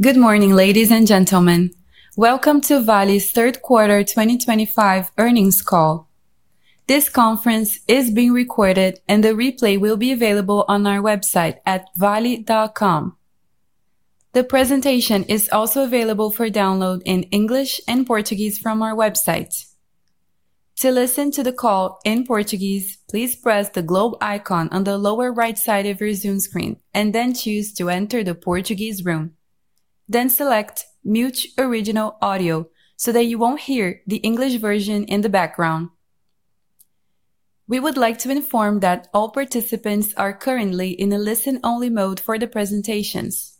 Good morning, ladies and gentlemen. Welcome to Vale's Third Quarter 2025 Earnings Call. This conference is being recorded, and the replay will be available on our website at vale.com. The presentation is also available for download in English and Portuguese from our website. To listen to the call in Portuguese, please press the globe icon on the lower right side of your Zoom screen, and then choose to enter the Portuguese room. Select "Mute Original Audio" so that you won't hear the English version in the background. We would like to inform that all participants are currently in a listen-only mode for the presentations.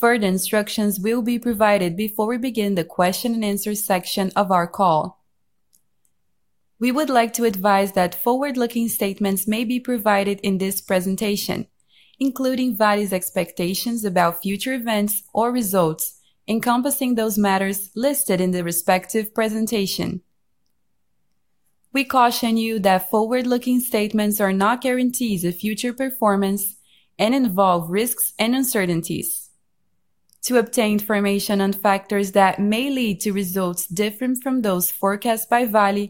Further instructions will be provided before we begin the question-and-answer section of our call. We would like to advise that forward-looking statements may be provided in this presentation, including Vale's expectations about future events or results encompassing those matters listed in the respective presentation. We caution you that forward-looking statements are not guarantees of future performance and involve risks and uncertainties. To obtain information on factors that may lead to results different from those forecast by Vale,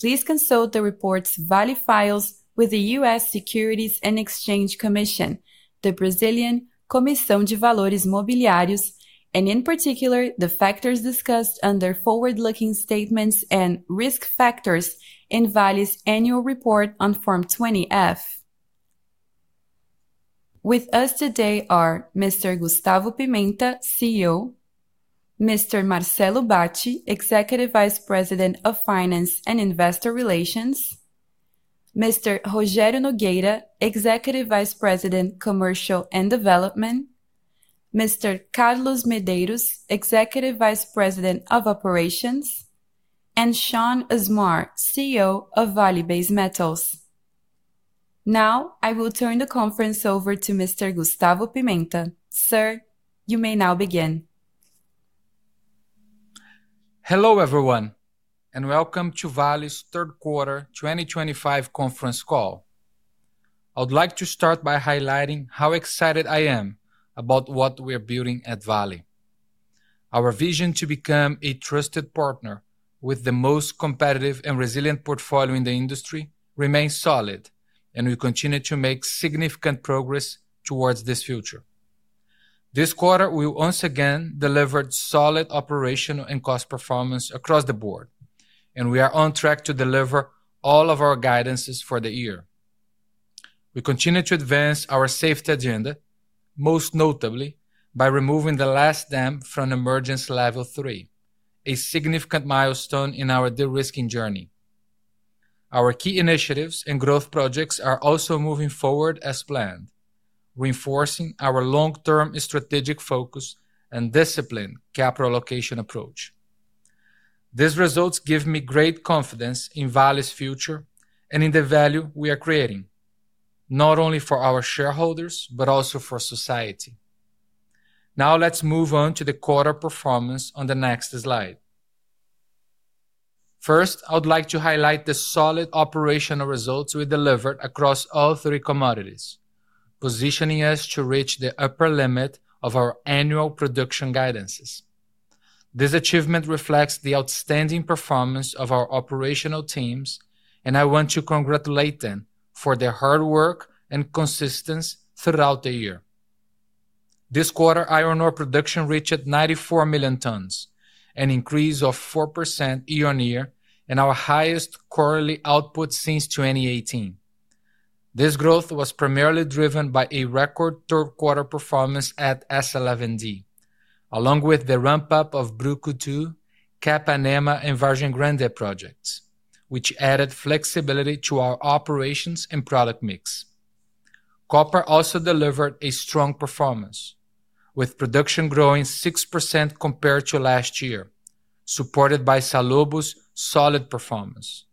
please consult the reports Vale files with the U.S. Securities and Exchange Commission, the Brazilian Comissão de Valores Mobiliários, and in particular, the factors discussed under forward-looking statements and Risk Factors in Vale's annual report on Form 20-F. With us today are Mr. Gustavo Pimenta, CEO, Mr. Marcelo Bacci, Executive Vice President of Finance and Investor Relations, Mr. Rogério Nogueira, Executive Vice President, Commercial and Development, Mr. Carlos Medeiros, Executive Vice President of Operations, and Shaun Usmar, CEO of Vale Base Metals. Now, I will turn the conference over to Mr. Gustavo Pimenta. Sir, you may now begin. Hello everyone, and welcome to Vale's Third Quarter 2025 Conference Call. I would like to start by highlighting how excited I am about what we are building at Vale. Our vision to become a trusted partner with the most competitive and resilient portfolio in the industry remains solid, and we continue to make significant progress towards this future. This quarter, we once again delivered solid operational and cost performance across the board, and we are on track to deliver all of our guidances for the year. We continue to advance our safety agenda, most notably by removing the last dam from emergency level three, a significant milestone in our de-risking journey. Our key initiatives and growth projects are also moving forward as planned, reinforcing our long-term strategic focus and disciplined capital allocation approach. These results give me great confidence in Vale's future and in the value we are creating, not only for our shareholders but also for society. Now, let's move on to the quarter performance on the next slide. First, I would like to highlight the solid operational results we delivered across all three commodities, positioning us to reach the upper limit of our annual production guidances. This achievement reflects the outstanding performance of our operational teams, and I want to congratulate them for their hard work and consistency throughout the year. This quarter, iron ore production reached 94 million tons, an increase of 4% year-on-year, and our highest quarterly output since 2018. This growth was primarily driven by a record third quarter performance at S11D, along with the ramp-up of Brucutu, Capanema and Vargem Grande projects, which added flexibility to our operations and product mix. Copper also delivered a strong performance, with production growing 6% compared to last year, supported by Salobo's solid performance.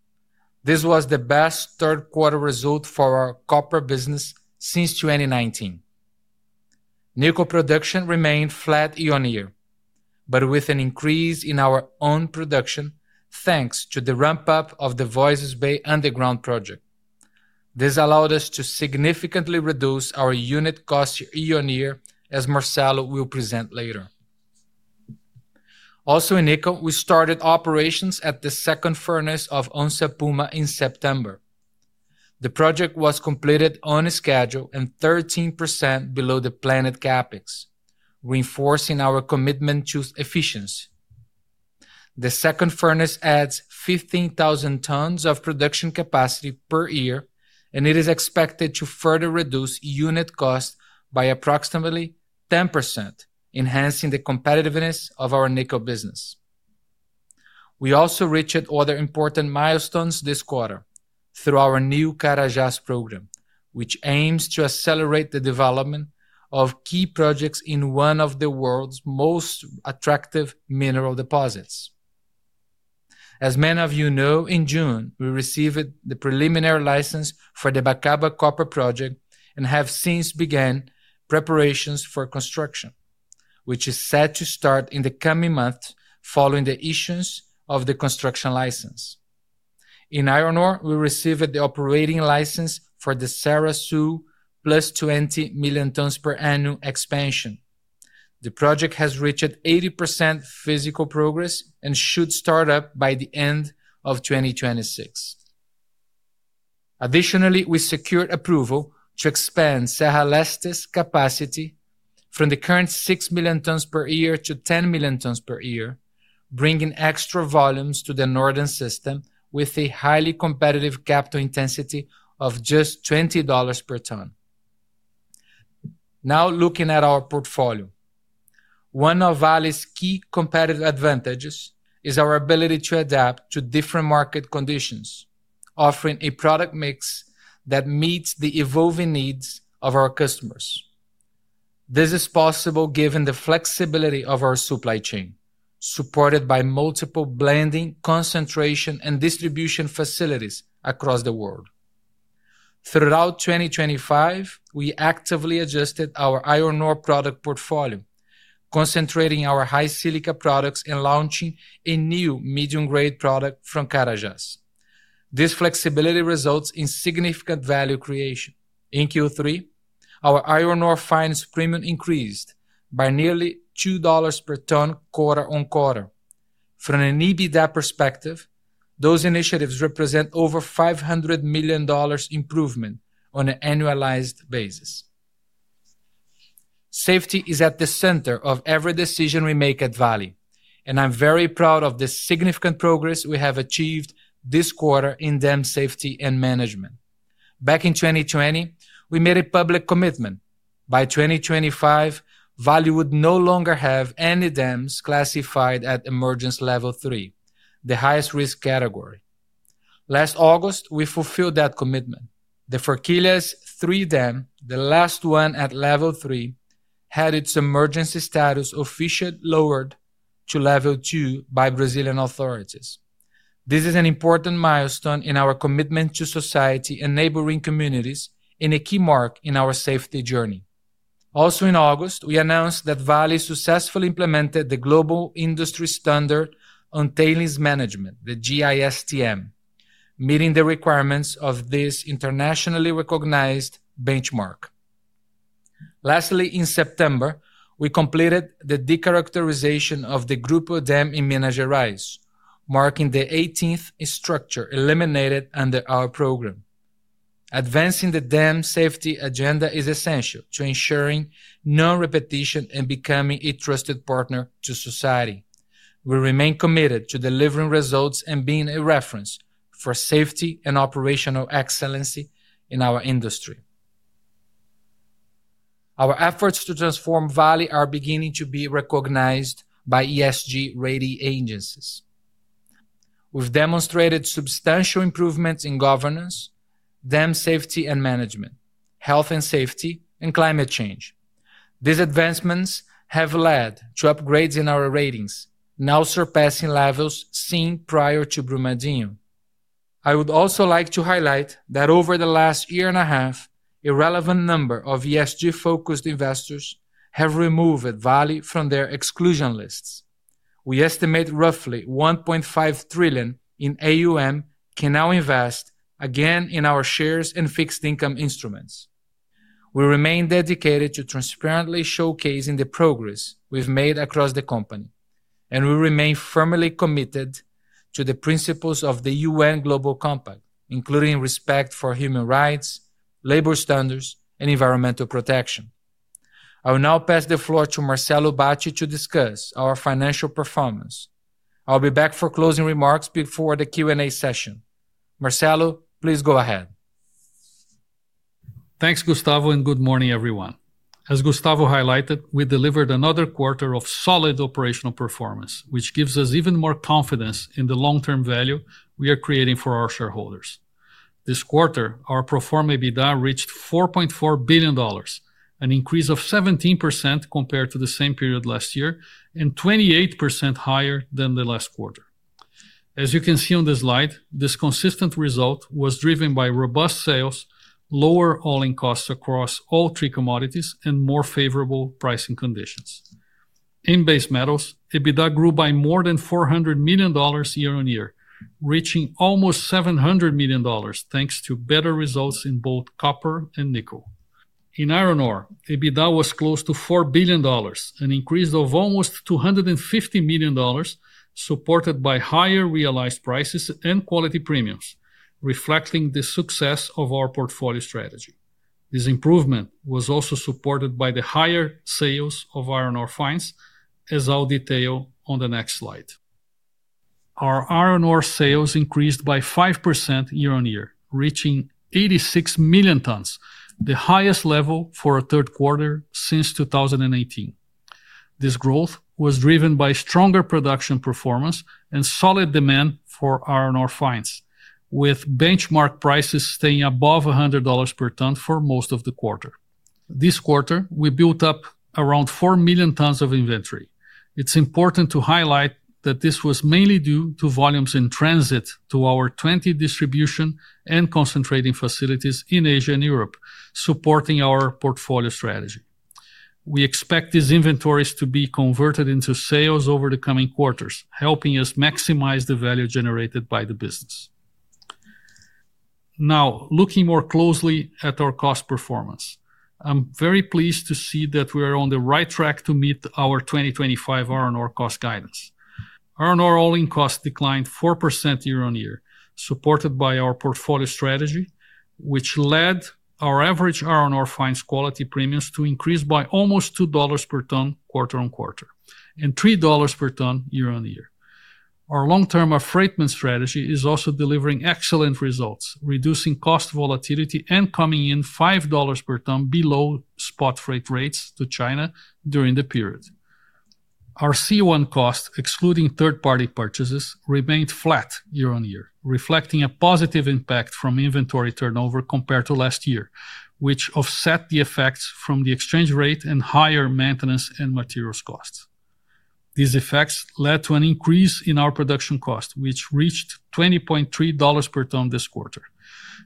This was the best third quarter result for our copper business since 2019. Nickel production remained flat year-on-year, but with an increase in our own production thanks to the ramp-up of the Voisey's Bay underground project. This allowed us to significantly reduce our unit cost year-on-year, as Marcelo will present later. Also, in nickel, we started operations at the second furnace of Onça Puma in September. The project was completed on schedule and 13% below the planned CapEx, reinforcing our commitment to efficiency. The second furnace adds 15,000 tons of production capacity per year, and it is expected to further reduce unit cost by approximately 10%, enhancing the competitiveness of our nickel business. We also reached other important milestones this quarter through our new Carajás program, which aims to accelerate the development of key projects in one of the world's most attractive mineral deposits. As many of you know, in June, we received the preliminary license for the Bacaba copper project and have since begun preparations for construction, which is set to start in the coming months following the issuance of the construction license. In iron ore, we received the operating license for the Serra Sul +20 million tons per annum expansion. The project has reached 80% physical progress and should start up by the end of 2026. Additionally, we secured approval to expand Serra Leste's capacity from the current 6 million tons per year to 10 million tons per year, bringing extra volumes to the Northern System with a highly competitive capital intensity of just $20 per ton. Now, looking at our portfolio. One of Vale's key competitive advantages is our ability to adapt to different market conditions, offering a product mix that meets the evolving needs of our customers. This is possible given the flexibility of our supply chain, supported by multiple blending, concentration, and distribution facilities across the world. Throughout 2025, we actively adjusted our iron ore product portfolio, concentrating our high silica products and launching a new medium-grade product from Carajás. This flexibility results in significant value creation. In Q3, our iron ore quality premium increased by nearly $2 per ton quarter-on-quarter. From an EBITDA perspective, those initiatives represent over $500 million improvement on an annualized basis. Safety is at the center of every decision we make at Vale, and I'm very proud of the significant progress we have achieved this quarter in dam safety and management. Back in 2020, we made a public commitment: by 2025, Vale would no longer have any dams classified at emergency level three, the highest risk category. Last August, we fulfilled that commitment. The Forquilhas III dam, the last one at level three, had its emergency status officially lowered to level two by Brazilian authorities. This is an important milestone in our commitment to society and neighboring communities and a key mark in our safety journey. Also, in August, we announced that Vale successfully implemented the Global Industry Standard on Tailings Management, the GISTM, meeting the requirements of this internationally recognized benchmark. Lastly, in September, we completed the de-characterization of the Grupo Dam in Minas Gerais, marking the 18th structure eliminated under our program. Advancing the dam safety agenda is essential to ensuring no repetition and becoming a trusted partner to society. We remain committed to delivering results and being a reference for safety and operational excellency in our industry. Our efforts to transform Vale are beginning to be recognized by ESG rating agencies. We've demonstrated substantial improvements in governance, dam safety and management, health and safety, and climate change. These advancements have led to upgrades in our ratings, now surpassing levels seen prior to Brumadinho. I would also like to highlight that over the last year and a half, a relevant number of ESG-focused investors have removed Vale from their exclusion lists. We estimate roughly $1.5 trillion in AUM can now invest again in our shares and fixed income instruments. We remain dedicated to transparently showcasing the progress we've made across the company, and we remain firmly committed to the principles of the UN Global Compact, including respect for human rights, labor standards, and environmental protection. I will now pass the floor to Marcelo Bacci to discuss our financial performance. I'll be back for closing remarks before the Q&A session. Marcelo, please go ahead. Thanks, Gustavo, and good morning, everyone. As Gustavo highlighted, we delivered another quarter of solid operational performance, which gives us even more confidence in the long-term value we are creating for our shareholders. This quarter, our proforma EBITDA reached $4.4 billion, an increase of 17% compared to the same period last year and 28% higher than the last quarter. As you can see on the slide, this consistent result was driven by robust sales, lower hauling costs across all three commodities, and more favorable pricing conditions. In Base Metals, EBITDA grew by more than $400 million year-on-year, reaching almost $700 million thanks to better results in both copper and nickel. In iron ore, EBITDA was close to $4 billion, an increase of almost $250 million, supported by higher realized prices and quality premiums, reflecting the success of our portfolio strategy. This improvement was also supported by the higher sales of iron ore fines, as I'll detail on the next slide. Our iron ore sales increased by 5% year-on-year, reaching 86 million tons, the highest level for a third quarter since 2018. This growth was driven by stronger production performance and solid demand for iron ore fines, with benchmark prices staying above $100 per ton for most of the quarter. This quarter, we built up around 4 million tons of inventory. It's important to highlight that this was mainly due to volumes in transit to our 20 distribution and concentrating facilities in Asia and Europe, supporting our portfolio strategy. We expect these inventories to be converted into sales over the coming quarters, helping us maximize the value generated by the business. Now, looking more closely at our cost performance, I'm very pleased to see that we are on the right track to meet our 2025 iron ore cost guidance. Iron ore hauling costs declined 4% year-on-year, supported by our portfolio strategy, which led our average iron ore fines quality premiums to increase by almost $2 per ton quarter-on-quarter and $3 per ton year-on-year. Our long-term affreightment strategy is also delivering excellent results, reducing cost volatility and coming in $5 per ton below spot freight rates to China during the period. Our C1 cost, excluding third-party purchases, remained flat year-on-year, reflecting a positive impact from inventory turnover compared to last year, which offset the effects from the exchange rate and higher maintenance and materials costs. These effects led to an increase in our production cost, which reached $20.3 per ton this quarter.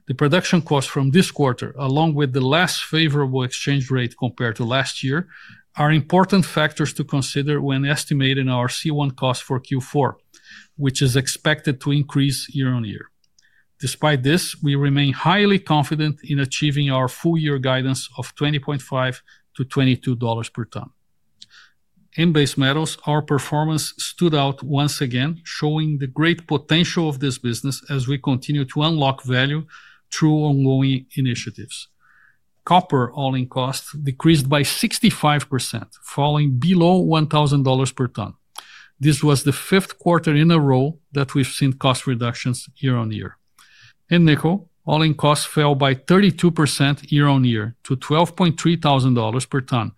The production costs from this quarter, along with the less favorable exchange rate compared to last year, are important factors to consider when estimating our C1 cost for Q4, which is expected to increase year-on-year. Despite this, we remain highly confident in achieving our full-year guidance of $20.5-$22 per ton. In Base Metals, our performance stood out once again, showing the great potential of this business as we continue to unlock value through ongoing initiatives. Copper hauling costs decreased by 65%, falling below $1,000 per ton. This was the fifth quarter in a row that we've seen cost reductions year-on-year. In nickel, hauling costs fell by 32% year-on-year to $12,300 per ton,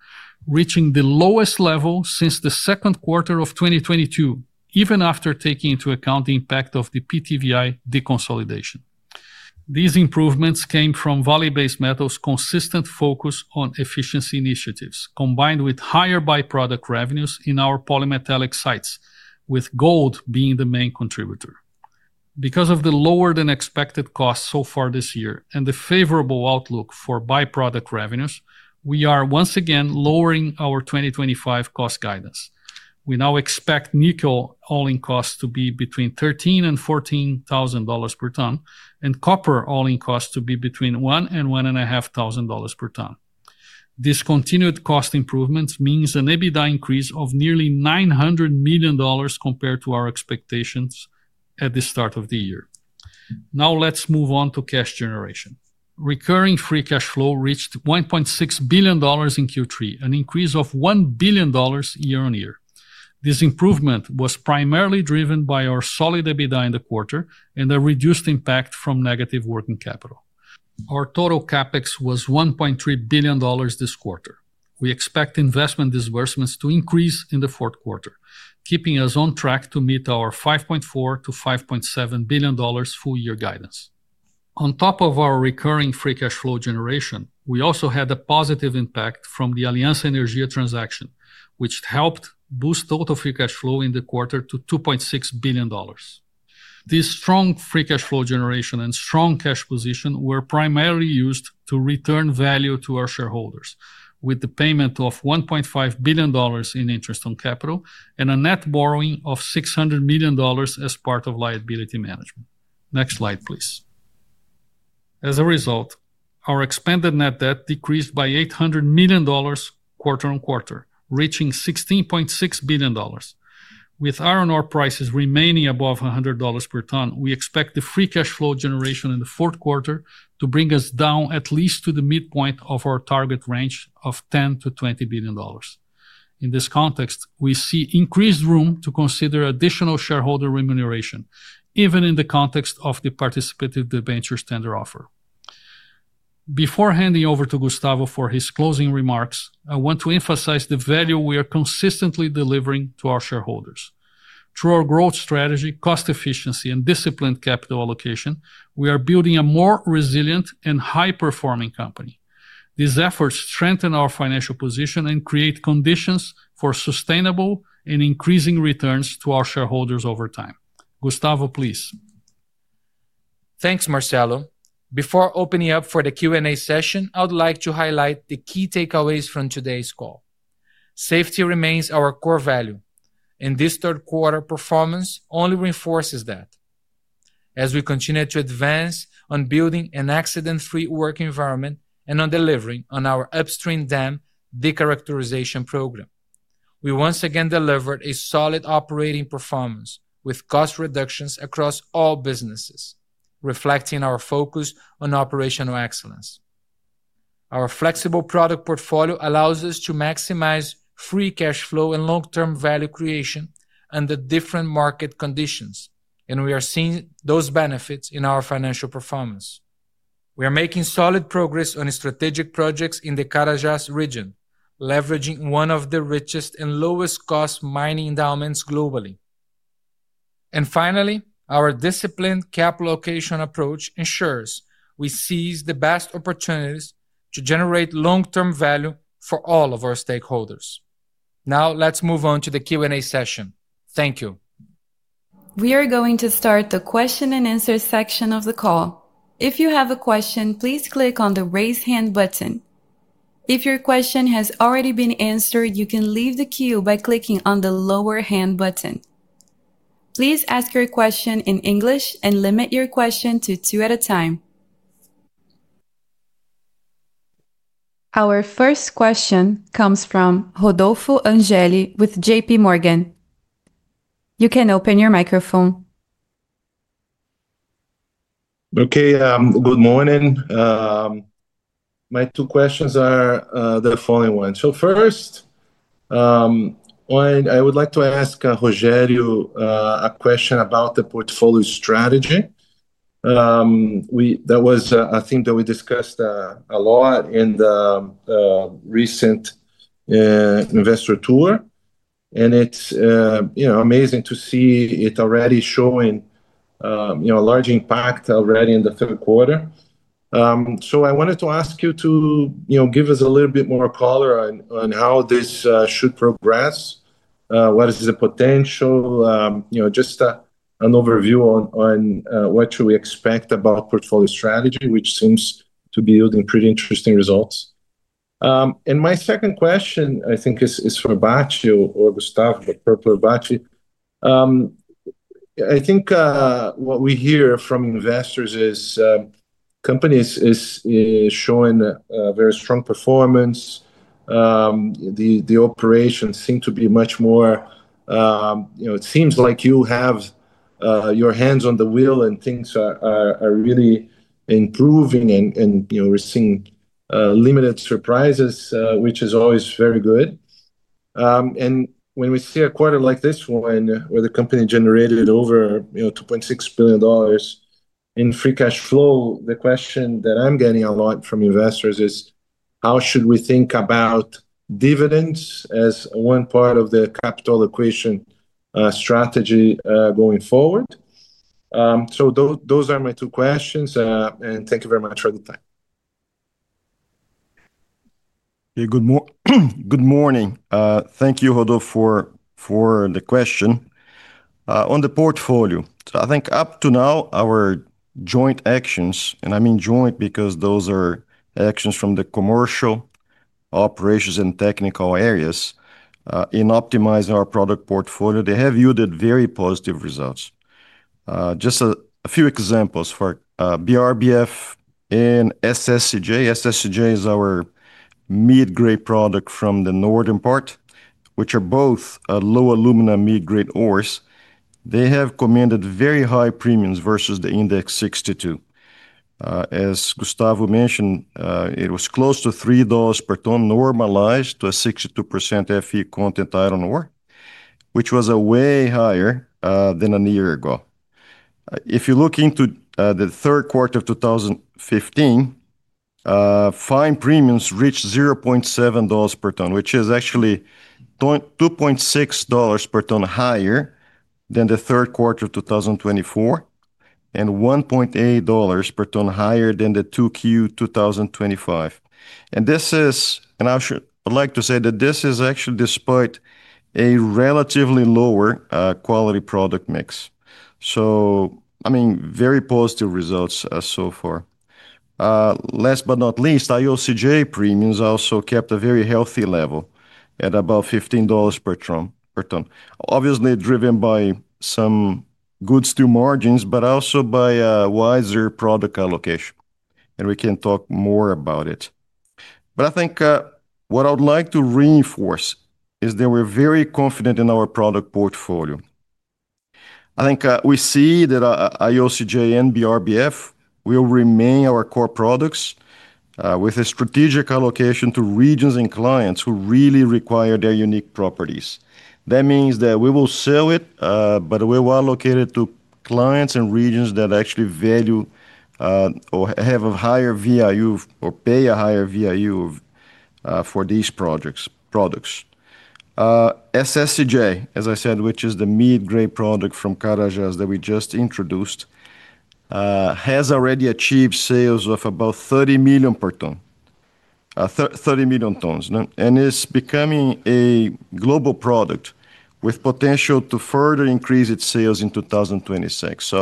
reaching the lowest level since the second quarter of 2022, even after taking into account the impact of the PTVI deconsolidation. These improvements came from Vale Base Metals' consistent focus on efficiency initiatives, combined with higher byproduct revenues in our polymetallic sites, with gold being the main contributor. Because of the lower-than-expected costs so far this year and the favorable outlook for byproduct revenues, we are once again lowering our 2025 cost guidance. We now expect nickel hauling costs to be between $13,000 and $14,000 per ton, and copper hauling costs to be between $1,000 and $1,500 per ton. This continued cost improvement means an EBITDA increase of nearly $900 million compared to our expectations at the start of the year. Now, let's move on to cash generation. Recurring free cash flow reached $1.6 billion in Q3, an increase of $1 billion year-on-year. This improvement was primarily driven by our solid EBITDA in the quarter and a reduced impact from negative working capital. Our total CapEx was $1.3 billion this quarter. We expect investment disbursements to increase in the fourth quarter, keeping us on track to meet our $5.4 billion-$5.7 billion full-year guidance. On top of our recurring free cash flow generation, we also had a positive impact from the Aliança Energia transaction, which helped boost total free cash flow in the quarter to $2.6 billion. This strong free cash flow generation and strong cash position were primarily used to return value to our shareholders, with the payment of $1.5 billion in interest on capital and a net borrowing of $600 million as part of liability management. Next slide, please. As a result, our expanded net debt decreased by $800 million quarter-on-quarter, reaching $16.6 billion. With iron ore prices remaining above $100 per ton, we expect the free cash flow generation in the fourth quarter to bring us down at least to the midpoint of our target range of $10 billion-$20 billion. In this context, we see increased room to consider additional shareholder remuneration, even in the context of the participative debenture standard offer. Before handing over to Gustavo for his closing remarks, I want to emphasize the value we are consistently delivering to our shareholders. Through our growth strategy, cost efficiency, and disciplined capital allocation, we are building a more resilient and high-performing company. These efforts strengthen our financial position and create conditions for sustainable and increasing returns to our shareholders over time. Gustavo, please. Thanks, Marcelo. Before opening up for the Q&A session, I would like to highlight the key takeaways from today's call. Safety remains our core value, and this third-quarter performance only reinforces that. As we continue to advance on building an accident-free work environment and on delivering on our upstream dam de-characterization program, we once again delivered a solid operating performance with cost reductions across all businesses, reflecting our focus on operational excellence. Our flexible product portfolio allows us to maximize free cash flow and long-term value creation under different market conditions, and we are seeing those benefits in our financial performance. We are making solid progress on strategic projects in the Carajás region, leveraging one of the richest and lowest-cost mining endowments globally. Finally, our disciplined capital allocation approach ensures we seize the best opportunities to generate long-term value for all of our stakeholders. Now, let's move on to the Q&A session. Thank you. We are going to start the question-and-answer section of the call. If you have a question, please click on the raise hand button. If your question has already been answered, you can leave the queue by clicking on the lower hand button. Please ask your question in English and limit your question to two at a time. Our first question comes from Rodolfo Angele with JPMorgan. You can open your microphone. Okay, good morning. My two questions are the following ones. First, I would like to ask Rogério a question about the portfolio strategy. That was a theme that we discussed a lot in the recent investor tour, and it's amazing to see it already showing a large impact already in the third quarter. I wanted to ask you to give us a little bit more color on how this should progress. What is the potential? Just an overview on what should we expect about portfolio strategy, which seems to be yielding pretty interesting results. My second question, I think, is for Bacci or Gustavo, but prefer Bacci. I think what we hear from investors is companies are showing very strong performance. The operations seem to be much more, it seems like you have your hands on the wheel and things are really improving. We're seeing limited surprises, which is always very good. When we see a quarter like this one where the company generated over $2.6 billion in free cash flow, the question that I'm getting a lot from investors is, how should we think about dividends as one part of the capital equation strategy going forward? Those are my two questions, and thank you very much for the time. Good morning. Thank you, Rodolfo, for the question. On the portfolio, I think up to now, our joint actions, and I mean joint because those are actions from the commercial, operations, and technical areas, in optimizing our product portfolio, they have yielded very positive results. Just a few examples for BRBF and SSCJ. SSCJ is our mid-grade product from the northern part, which are both low aluminum mid-grade ores. They have commanded very high premiums versus the index 62%. As Gustavo mentioned, it was close to $3 per ton normalized to a 62% Fe content iron ore, which was way higher than a year ago. If you look into the third quarter of 2015, fine premiums reached $0.7 per ton, which is actually $2.6 per ton higher than the third quarter of 2024 and $1.8 per ton higher than the 2Q 2025. I would like to say that this is actually despite a relatively lower quality product mix. I mean, very positive results so far. Last but not least, IOCJ premiums also kept a very healthy level at about $15 per ton, obviously driven by some good steel margins, but also by wiser product allocation. We can talk more about it. What I would like to reinforce is that we're very confident in our product portfolio. I think we see that IOCJ and BRBF will remain our core products with a strategic allocation to regions and clients who really require their unique properties. That means that we will sell it, but we will allocate it to clients and regions that actually value or have a higher VIU or pay a higher VIU for these products. SSCJ, as I said, which is the mid-grade product from Carajás that we just introduced, has already achieved sales of about $30 million per ton, 30 million tons, and it's becoming a global product with potential to further increase its sales in 2026.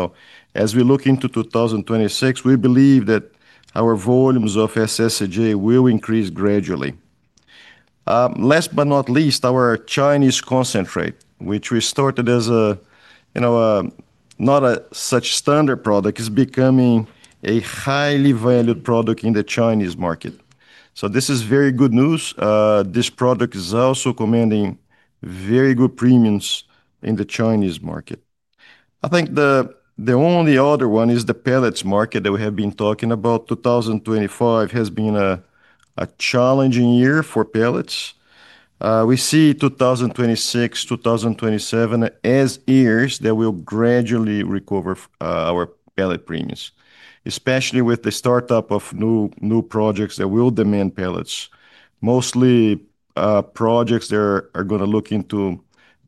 As we look into 2026, we believe that our volumes of SSCJ will increase gradually. Last but not least, our Chinese concentrate, which we started as not a such standard product, is becoming a highly valued product in the Chinese market. This is very good news. This product is also commanding very good premiums in the Chinese market. I think the only other one is the pellets market that we have been talking about. 2025 has been a challenging year for pellets. We see 2026, 2027 as years that will gradually recover our pellet premiums, especially with the start-up of new projects that will demand pellets, mostly projects that are going to look into.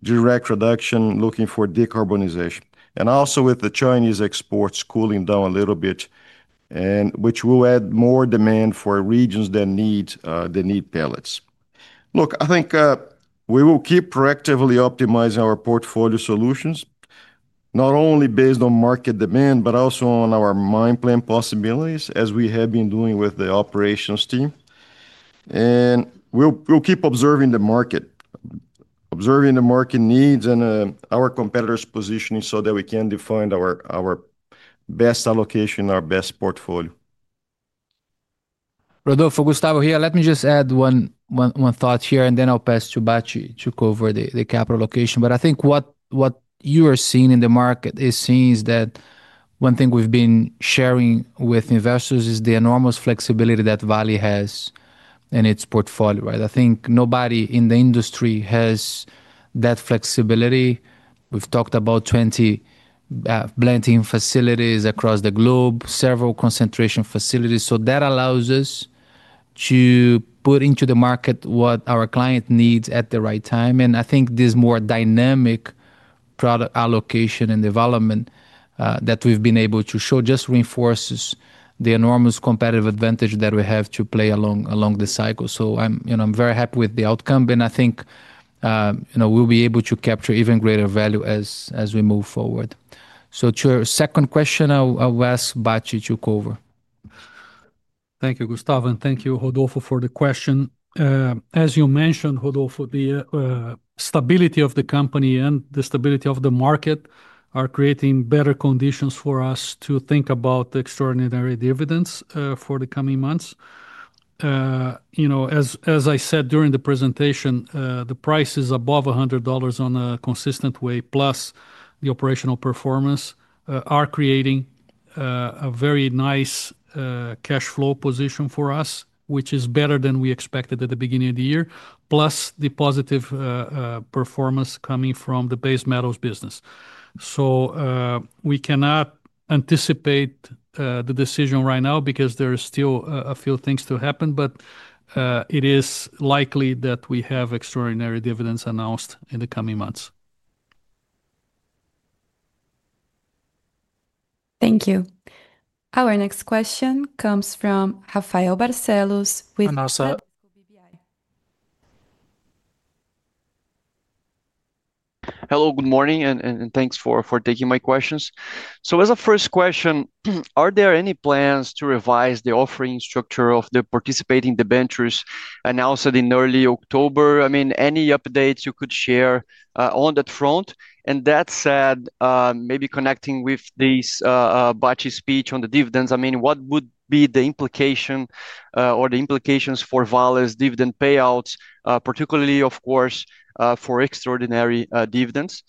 Direct production, looking for decarbonization. Also, with the Chinese exports cooling down a little bit, which will add more demand for regions that need pellets. I think we will keep proactively optimizing our portfolio solutions, not only based on market demand, but also on our mine plan possibilities, as we have been doing with the operations team. We will keep observing the market, observing the market needs and our competitors' positioning so that we can define our best allocation and our best portfolio. Rodolfo, Gustavo here, let me just add one thought here, and then I'll pass to Bacci to cover the capital allocation. I think what you are seeing in the market is that one thing we've been sharing with investors is the enormous flexibility that Vale has in its portfolio. I think nobody in the industry has that flexibility. We've talked about 20 blending facilities across the globe, several concentration facilities. That allows us to put into the market what our client needs at the right time. I think this more dynamic product allocation and development that we've been able to show just reinforces the enormous competitive advantage that we have to play along the cycle. I'm very happy with the outcome, and I think we'll be able to capture even greater value as we move forward. To your second question, I'll ask Bacci to cover. Thank you, Gustavo, and thank you, Rodolfo, for the question. As you mentioned, Rodolfo, the stability of the company and the stability of the market are creating better conditions for us to think about the extraordinary dividends for the coming months. As I said during the presentation, the prices above $100 in a consistent way, plus the operational performance, are creating a very nice cash flow position for us, which is better than we expected at the beginning of the year, plus the positive performance coming from the Base Metals business. We cannot anticipate the decision right now because there are still a few things to happen, but it is likely that we have extraordinary dividends announced in the coming months. Thank you. Our next question comes from Rafael Barcellos with Bradesco BBI. Hello, good morning, and thanks for taking my questions. As a first question, are there any plans to revise the offering structure of the participating debentures announced in early October? I mean, any updates you could share on that front? That said, maybe connecting with this, Bacci's speech on the dividends, what would be the implication or the implications for Vale's dividend payouts, particularly, of course, for extraordinary dividends?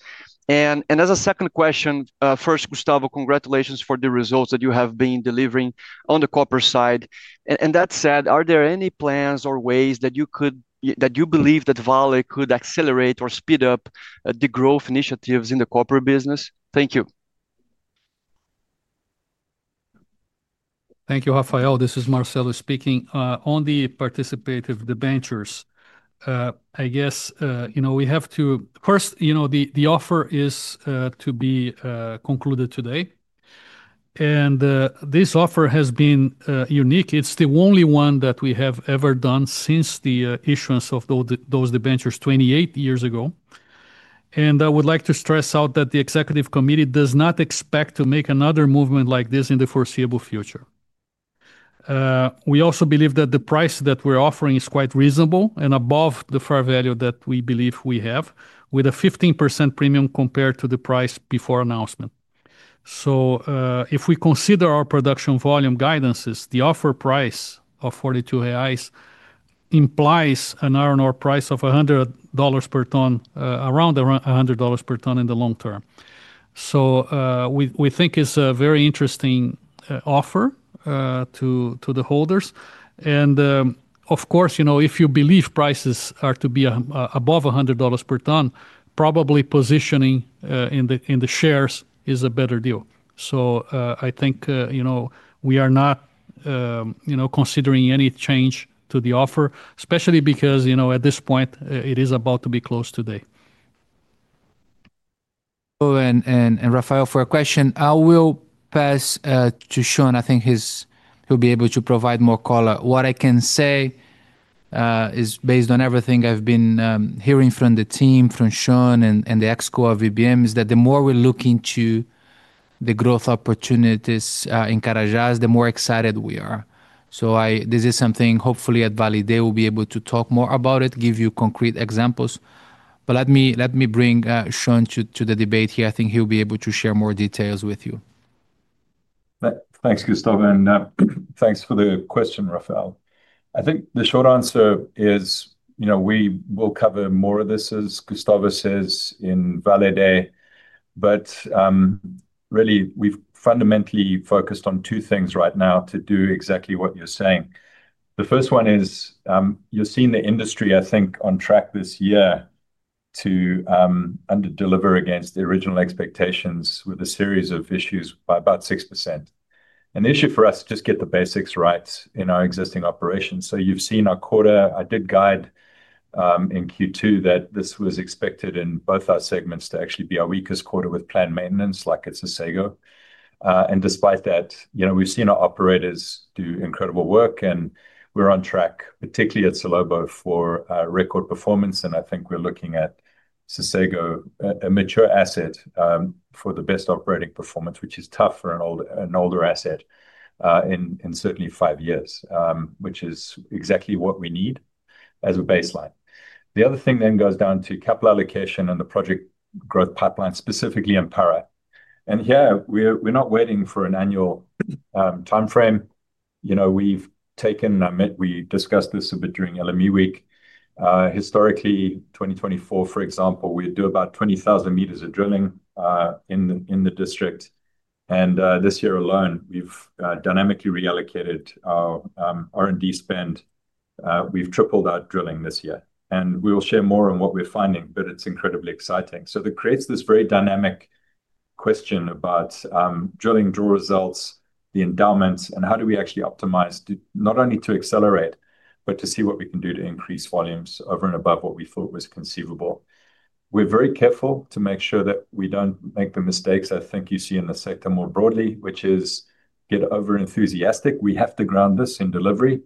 As a second question, first, Gustavo, congratulations for the results that you have been delivering on the copper side. That said, are there any plans or ways that you believe that Vale could accelerate or speed up the growth initiatives in the copper business? Thank you. Thank you, Rafael. This is Marcelo speaking. On the participating debentures, I guess we have to, of course, the offer is to be concluded today. This offer has been unique. It's the only one that we have ever done since the issuance of those debentures 28 years ago. I would like to stress that the Executive Committee does not expect to make another movement like this in the foreseeable future. We also believe that the price that we're offering is quite reasonable and above the fair value that we believe we have, with a 15% premium compared to the price before announcement. If we consider our production volume guidances, the offer price of 42 AIs implies an iron ore price of $100 per ton, around $100 per ton in the long term. We think it's a very interesting offer to the holders. Of course, if you believe prices are to be above $100 per ton, probably positioning in the shares is a better deal. I think we are not considering any change to the offer, especially because at this point, it is about to be closed today. Rafael, for a question, I will pass to Shaun. I think he'll be able to provide more color. What I can say is based on everything I've been hearing from the team, from Shaun and the ExCo of VBM, is that the more we're looking to the growth opportunities in Carajás, the more excited we are. This is something hopefully at Vale they will be able to talk more about, give you concrete examples. Let me bring Shaun to the debate here. I think he'll be able to share more details with you. Thanks, Gustavo, and thanks for the question, Rafael. I think the short answer is we will cover more of this, as Gustavo says, in Vale Day. Really, we've fundamentally focused on two things right now to do exactly what you're saying. The first one is you're seeing the industry, I think, on track this year to under-deliver against the original expectations with a series of issues by about 6%. An issue for us is just to get the basics right in our existing operations. You've seen our quarter. I did guide in Q2 that this was expected in both our segments to actually be our weakest quarter with planned maintenance, like at Sossego. Despite that, we've seen our operators do incredible work, and we're on track, particularly at Salobo, for record performance. I think we're looking at Sossego, a mature asset, for the best operating performance, which is tough for an older asset, in certainly five years, which is exactly what we need as a baseline. The other thing then goes down to capital allocation and the project growth pipeline, specifically in Pará. We're not waiting for an annual timeframe. We've taken, I meant, we discussed this a bit during LME Week. Historically, 2024, for example, we do about 20,000 meters of drilling in the district. This year alone, we've dynamically reallocated our R&D spend. We've tripled our drilling this year. We will share more on what we're finding, but it's incredibly exciting. It creates this very dynamic question about drilling, draw results, the endowments, and how do we actually optimize not only to accelerate, but to see what we can do to increase volumes over and above what we thought was conceivable. We're very careful to make sure that we don't make the mistakes I think you see in the sector more broadly, which is get over-enthusiastic. We have to ground this in delivery.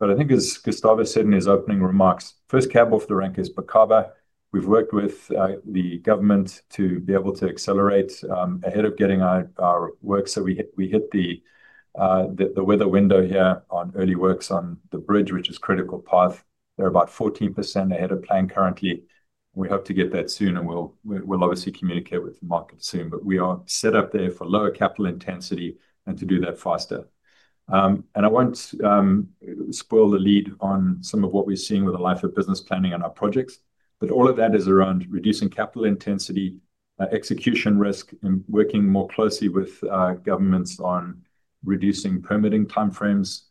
I think, as Gustavo said in his opening remarks, first cab off the rank is Bacaba. We've worked with the government to be able to accelerate ahead of getting our work. We hit the weather window here on early works on the bridge, which is critical path. They're about 40% ahead of plan currently. We hope to get that soon, and we'll obviously communicate with the market soon. We are set up there for lower capital intensity and to do that faster. I won't spoil the lead on some of what we're seeing with the life of business planning on our projects. All of that is around reducing capital intensity, execution risk, and working more closely with governments on reducing permitting timeframes.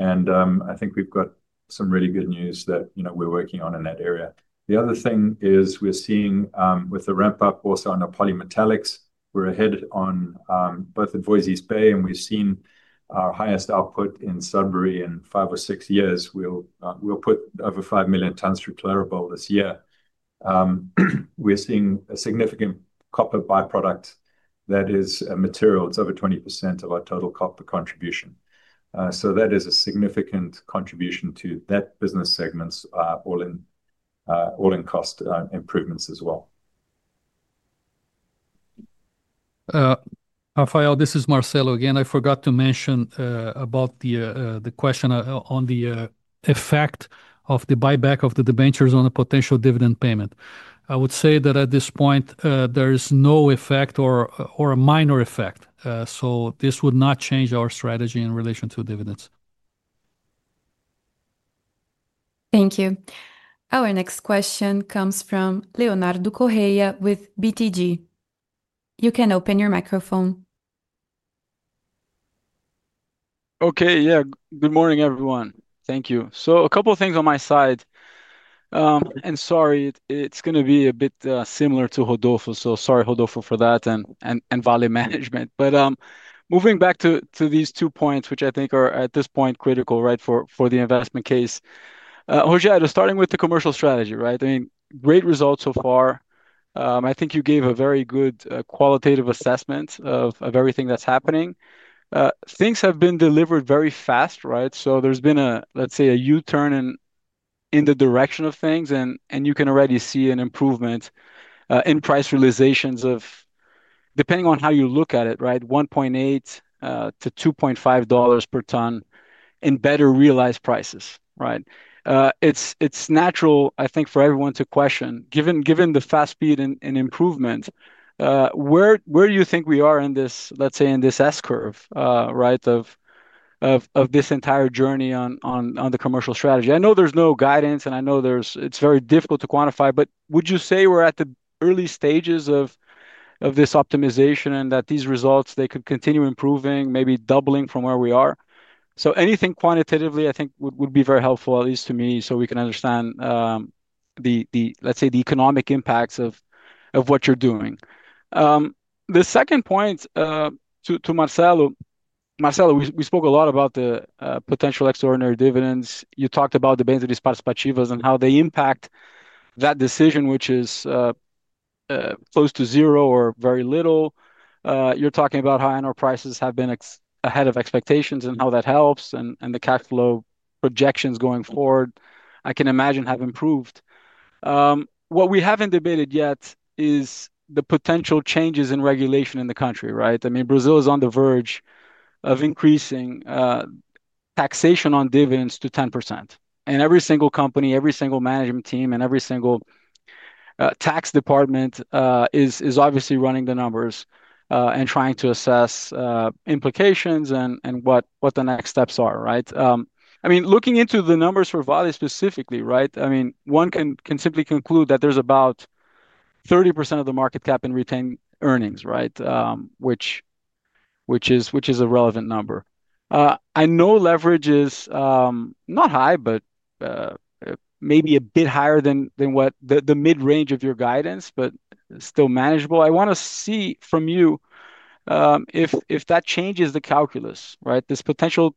I think we've got some really good news that we're working on in that area. The other thing is we're seeing with the ramp-up also on the polymetallics. We're ahead on both in Voisey’s Bay, and we've seen our highest output in Sudbury in five or six years. We'll put over 5 million tons through Clarabelle this year. We're seeing a significant copper byproduct that is material. It's over 20% of our total copper contribution. That is a significant contribution to that business segment, all-in cost improvements as well. Rafael, this is Marcelo again. I forgot to mention about the question on the effect of the buyback of the debentures on a potential dividend payment. I would say that at this point, there is no effect or a minor effect. This would not change our strategy in relation to dividends. Thank you. Our next question comes from Leonardo Correa with BTG. You can open your microphone. Okay, yeah. Good morning, everyone. Thank you. A couple of things on my side. Sorry, it's going to be a bit similar to Rodolfo. Sorry, Rodolfo, for that and Vale management. Moving back to these two points, which I think are at this point critical for the investment case. Rogério, starting with the commercial strategy, right? Great results so far. I think you gave a very good qualitative assessment of everything that's happening. Things have been delivered very fast, right? There's been, let's say, a U-turn in the direction of things, and you can already see an improvement in price realizations. Depending on how you look at it, $1.8-$2.5 per ton in better realized prices. It's natural, I think, for everyone to question, given the fast speed and improvement, where do you think we are in this, let's say, in this S-curve of this entire journey on the commercial strategy? I know there's no guidance, and I know it's very difficult to quantify, but would you say we're at the early stages of this optimization and that these results, they could continue improving, maybe doubling from where we are? Anything quantitatively, I think, would be very helpful, at least to me, so we can understand, let's say, the economic impacts of what you're doing. The second point, to Marcelo. Marcelo, we spoke a lot about the potential extraordinary dividends. You talked about the Debêntures Participativas and how they impact that decision, which is close to zero or very little. You're talking about how annual prices have been ahead of expectations and how that helps, and the cash flow projections going forward, I can imagine, have improved. What we haven't debated yet is the potential changes in regulation in the country, right? Brazil is on the verge of increasing taxation on dividends to 10%, and every single company, every single management team, and every single tax department is obviously running the numbers and trying to assess implications and what the next steps are, right? Looking into the numbers for Vale specifically, one can simply conclude that there's about 30% of the market cap in retained earnings, which is a relevant number. I know leverage is not high, but maybe a bit higher than the mid-range of your guidance, but still manageable. I want to see from you if that changes the calculus, right? This potential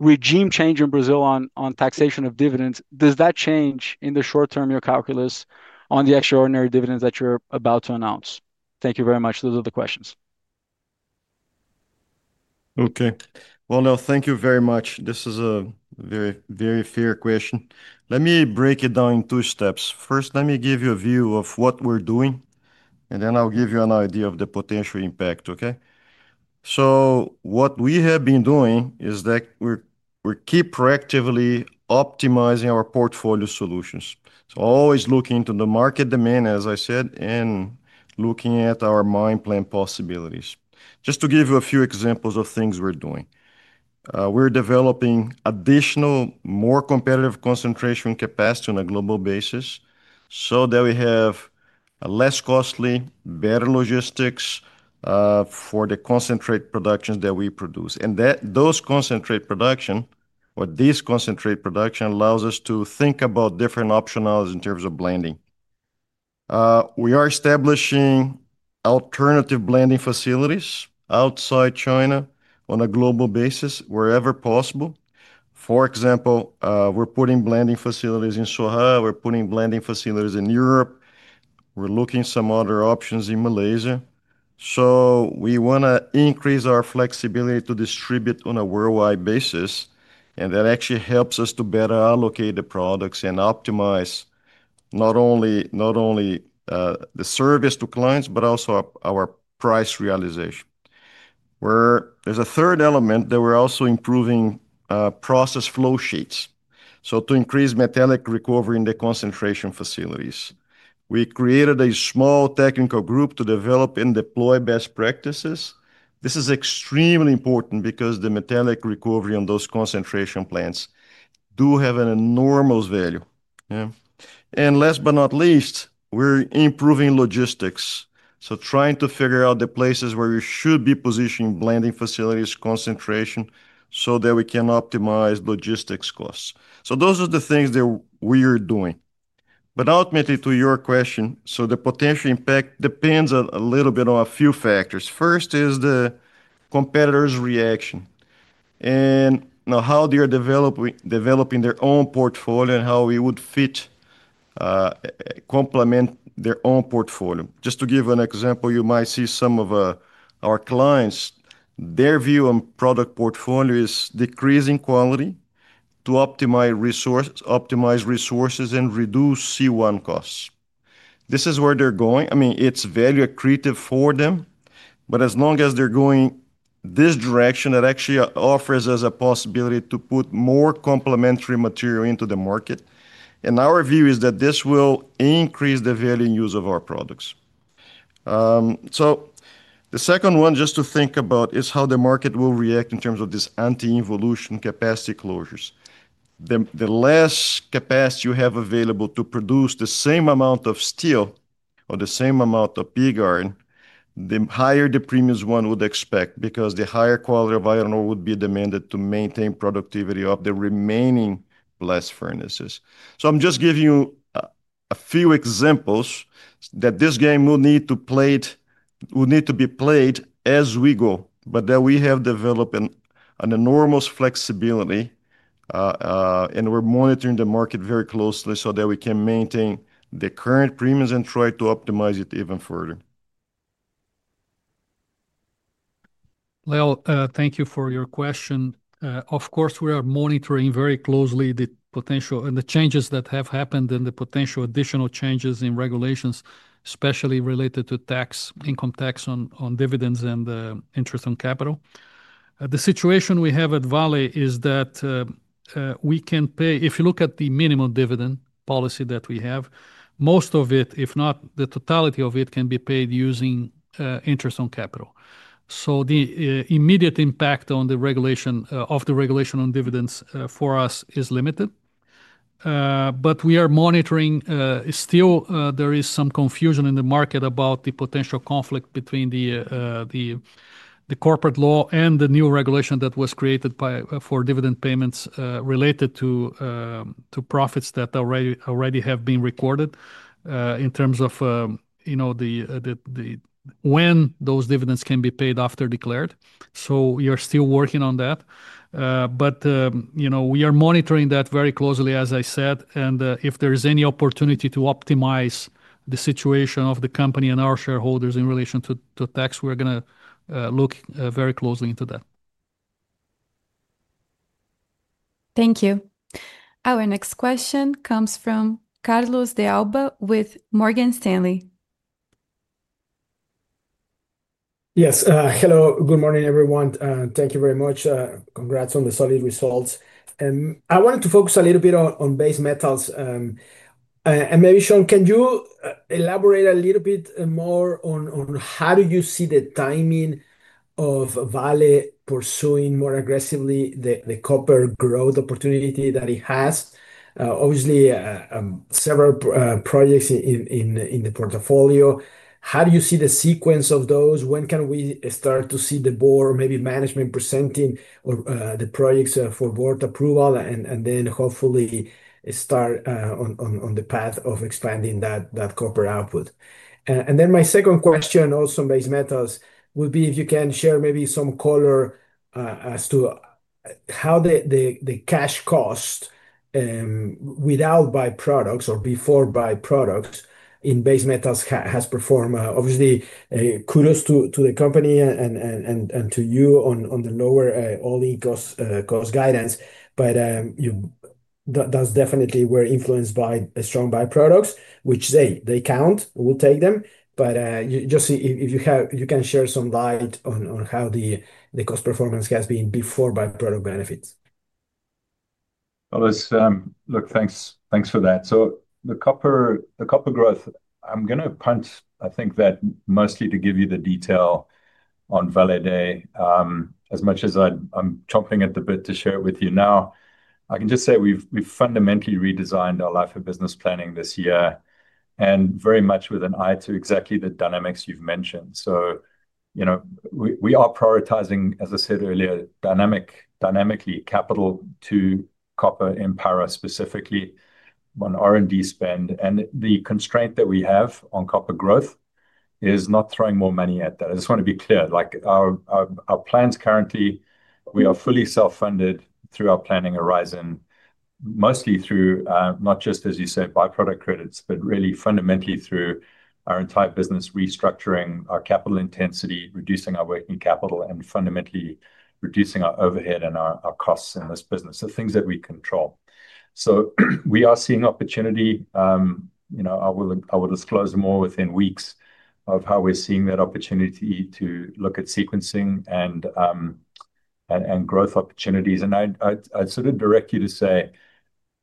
regime change in Brazil on taxation of dividends, does that change in the short term your calculus on the extraordinary dividends that you're about to announce? Thank you very much. Those are the questions. Thank you very much. This is a very fair question. Let me break it down in two steps. First, let me give you a view of what we're doing, and then I'll give you an idea of the potential impact, okay? What we have been doing is that we keep proactively optimizing our portfolio solutions, always looking into the market demand, as I said, and looking at our mine plan possibilities. Just to give you a few examples of things we're doing, we're developing additional, more competitive concentration capacity on a global basis so that we have less costly, better logistics for the concentrate productions that we produce. This concentrate production allows us to think about different optionals in terms of blending. We are establishing alternative blending facilities outside China on a global basis wherever possible. For example, we're putting blending facilities in Sohar, we're putting blending facilities in Europe, and we're looking at some other options in Malaysia. We want to increase our flexibility to distribute on a worldwide basis, and that actually helps us to better allocate the products and optimize not only the service to clients, but also our price realization. There's a third element that we're also improving: process flow sheets, to increase metallic recovery in the concentration facilities. We created a small technical group to develop and deploy best practices. This is extremely important because the metallic recovery on those concentration plants does have an enormous value. Last but not least, we're improving logistics, trying to figure out the places where we should be positioning blending facilities and concentration so that we can optimize logistics costs. Those are the things that we are doing. Ultimately, to your question, the potential impact depends a little bit on a few factors. First is the competitor's reaction and how they are developing their own portfolio and how we would fit to complement their own portfolio. Just to give you an example, you might see some of our clients, their view on product portfolio is decreasing quality to optimize resources and reduce C1 costs. This is where they're going. It's value accretive for them. As long as they're going this direction, that actually offers us a possibility to put more complementary material into the market. Our view is that this will increase the value in use of our products. The second one just to think about is how the market will react in terms of this anti-involution capacity closures. The less capacity you have available to produce the same amount of steel or the same amount of pig iron, the higher the premiums one would expect because the higher quality of iron ore would be demanded to maintain productivity of the remaining blast furnaces. I'm just giving you a few examples that this game will need to be played as we go, but that we have developed an enormous flexibility. We're monitoring the market very closely so that we can maintain the current premiums and try to optimize it even further. Lale, thank you for your question. Of course, we are monitoring very closely the potential and the changes that have happened and the potential additional changes in regulations, especially related to income tax on dividends and interest on capital. The situation we have at Vale is that we can pay, if you look at the minimum dividend policy that we have, most of it, if not the totality of it, can be paid using interest on capital. The immediate impact of the regulation on dividends for us is limited. We are monitoring. Still, there is some confusion in the market about the potential conflict between the corporate law and the new regulation that was created for dividend payments related to profits that already have been recorded in terms of when those dividends can be paid after declared. We are still working on that. We are monitoring that very closely, as I said. If there is any opportunity to optimize the situation of the company and our shareholders in relation to tax, we're going to look very closely into that. Thank you. Our next question comes from Carlos De Alba with Morgan Stanley. Yes. Hello, good morning, everyone. Thank you very much. Congrats on the solid results. I wanted to focus a little bit on Base Metals. Maybe, Shaun, can you elaborate a little bit more on how you see the timing of Vale pursuing more aggressively the copper growth opportunity that it has? Obviously, several projects in the portfolio. How do you see the sequence of those? When can we start to see the Board, maybe management presenting the projects for Board approval, and then hopefully start on the path of expanding that copper output? My second question also on Base Metals would be if you can share maybe some color as to how the cash cost, without byproducts or before byproducts in Base Metals, has performed. Kudos to the company and to you on the lower all-in cost guidance. That definitely was influenced by strong byproducts, which they count. We'll take them. If you can share some light on how the cost performance has been before byproduct benefits. Thank you for that. The copper growth, I'm going to punt, I think, that mostly to give you the detail on Vale today. As much as I'm chomping at the bit to share it with you now, I can just say we've fundamentally redesigned our life of business planning this year, and very much with an eye to exactly the dynamics you've mentioned. We are prioritizing, as I said earlier, dynamically capital to copper in Pará specifically on R&D spend. The constraint that we have on copper growth is not throwing more money at that. I just want to be clear. Our plans currently, we are fully self-funded through our planning horizon, mostly through not just, as you said, byproduct credits, but really fundamentally through our entire business, restructuring our capital intensity, reducing our working capital, and fundamentally reducing our overhead and our costs in this business. Things that we control. We are seeing opportunity. I will disclose more within weeks of how we're seeing that opportunity to look at sequencing and growth opportunities. I'd sort of direct you to say,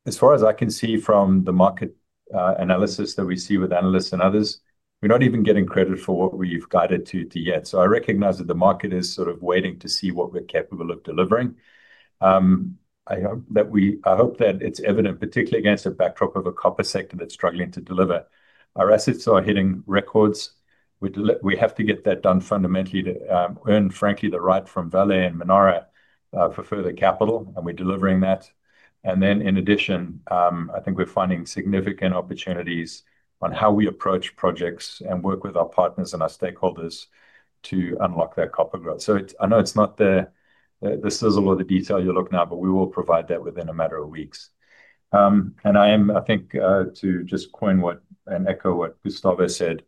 as far as I can see from the market analysis that we see with analysts and others, we're not even getting credit for what we've guided to yet. I recognize that the market is sort of waiting to see what we're capable of delivering. I hope that it's evident, particularly against the backdrop of a copper sector that's struggling to deliver. Our assets are hitting records. We have to get that done fundamentally to earn, frankly, the right from Vale and Manara for further capital, and we're delivering that. In addition, I think we're finding significant opportunities on how we approach projects and work with our partners and our stakeholders to unlock that copper growth. I know it's not the sizzle or the detail you're looking at, but we will provide that within a matter of weeks. I am, I think, to just coin and echo what Gustavo said,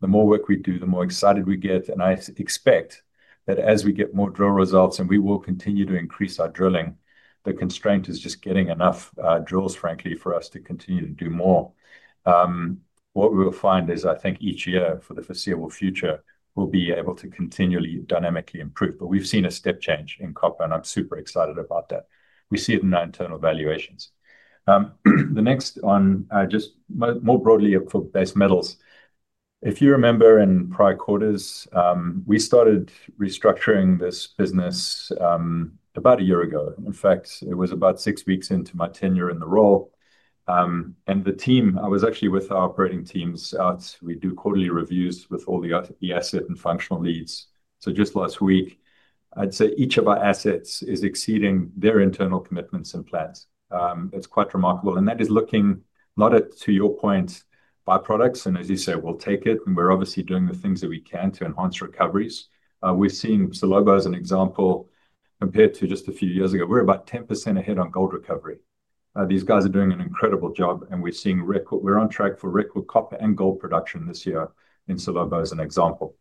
the more work we do, the more excited we get. I expect that as we get more drill results and we will continue to increase our drilling, the constraint is just getting enough drills, frankly, for us to continue to do more. What we will find is, I think, each year for the foreseeable future, we'll be able to continually dynamically improve. We've seen a step-change in copper, and I'm super excited about that. We see it in our internal valuations. The next one, just more broadly for Base Metals. If you remember in prior quarters, we started restructuring this business about a year ago. In fact, it was about six weeks into my tenure in the role. I was actually with our operating teams out. We do quarterly reviews with all the asset and functional leads. Just last week, I'd say each of our assets is exceeding their internal commitments and plans. It's quite remarkable. That is looking not at, to your point, byproducts. As you say, we'll take it. We're obviously doing the things that we can to enhance recoveries. We're seeing Salobo as an example. Compared to just a few years ago, we're about 10% ahead on gold recovery. These guys are doing an incredible job, and we're on track for record copper and gold production this year in Salobo as an example.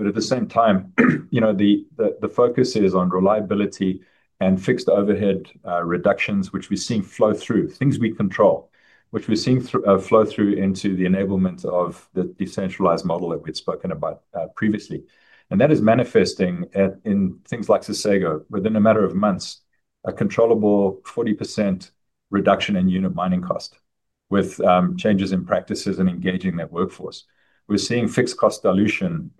At the same time, the focus is on reliability and fixed overhead reductions, which we're seeing flow through, things we control, which we're seeing flow through into the enablement of the decentralized model that we've spoken about previously. That is manifesting in things like Sossego. Within a matter of months, a controllable 40% reduction in unit mining cost with changes in practices and engaging that workforce. We're seeing fixed cost dilution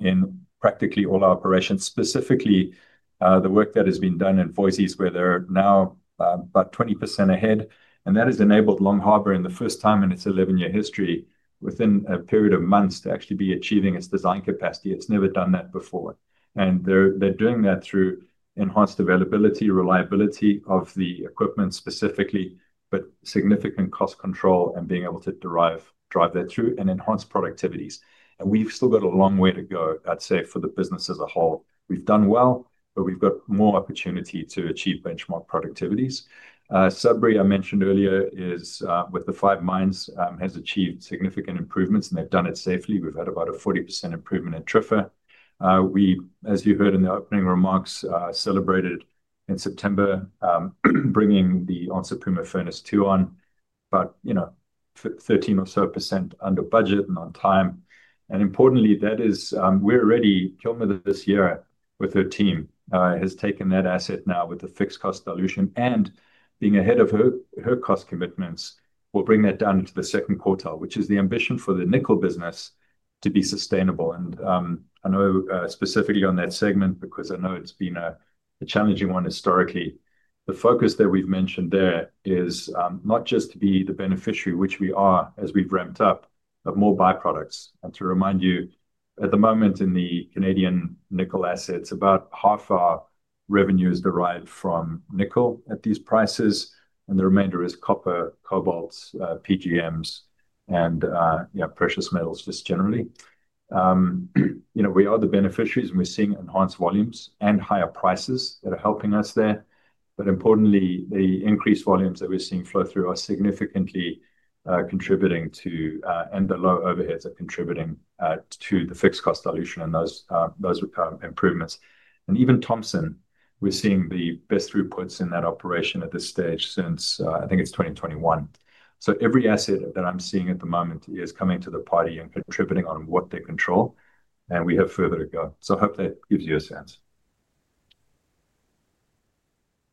in practically all our operations, specifically the work that has been done in Voisey's, where they're now about 20% ahead. That has enabled Long Harbour, for the first time in its 11-year history, within a period of months, to actually be achieving its design capacity. It's never done that before. They're doing that through enhanced availability, reliability of the equipment specifically, but significant cost control and being able to drive that through and enhance productivities. We've still got a long way to go, I'd say, for the business as a whole. We've done well, but we've got more opportunity to achieve benchmark productivities. Sudbury, I mentioned earlier, with the five mines, has achieved significant improvements, and they've done it safely. We've had about a 40% improvement in TRIFR. As you heard in the opening remarks, we celebrated in September bringing the Onça Puma Furnace 2 on, about 13% or so under budget and on time. Importantly, we're ready. Kilma this year with her team has taken that asset now with the fixed cost dilution and being ahead of her cost commitments. We'll bring that down into the second quartile, which is the ambition for the nickel business to be sustainable. I know specifically on that segment because I know it's been a challenging one historically. The focus that we've mentioned there is not just to be the beneficiary, which we are as we've ramped up, but more byproducts. To remind you, at the moment in the Canadian nickel assets, about half our revenue is derived from nickel at these prices, and the remainder is copper, cobalt, PGMs, and precious metals just generally. We are the beneficiaries, and we're seeing enhanced volumes and higher prices that are helping us there. Importantly, the increased volumes that we're seeing flow through are significantly contributing to, and the low overheads are contributing to, the fixed cost dilution and those improvements. Even Thompson, we're seeing the best throughputs in that operation at this stage since I think it's 2021. Every asset that I'm seeing at the moment is coming to the party and contributing on what they control. We have further to go. I hope that gives you a sense.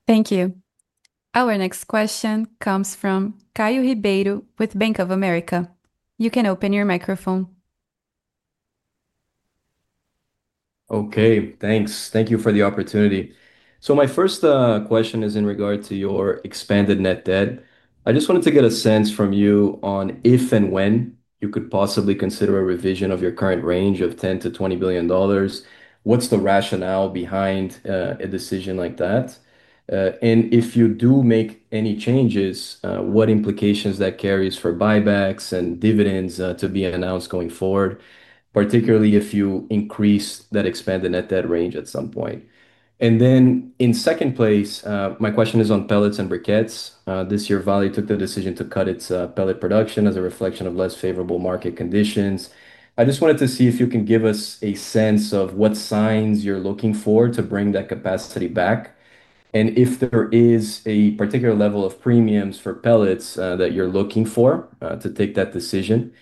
Thank you. Our next question comes from Caio Ribeiro with Bank of America. You can open your microphone. Okay, thanks. Thank you for the opportunity. My first question is in regard to your expanded net debt. I just wanted to get a sense from you on if and when you could possibly consider a revision of your current range of $10 billion-$20 billion. What's the rationale behind a decision like that? If you do make any changes, what implications that carries for buybacks and dividends to be announced going forward, particularly if you increase that expanded net debt range at some point. In second place, my question is on pellets and briquettes. This year, Vale took the decision to cut its pellet production as a reflection of less favorable market conditions. I just wanted to see if you can give us a sense of what signs you're looking for to bring that capacity back, and if there is a particular level of premiums for pellets that you're looking for to take that decision.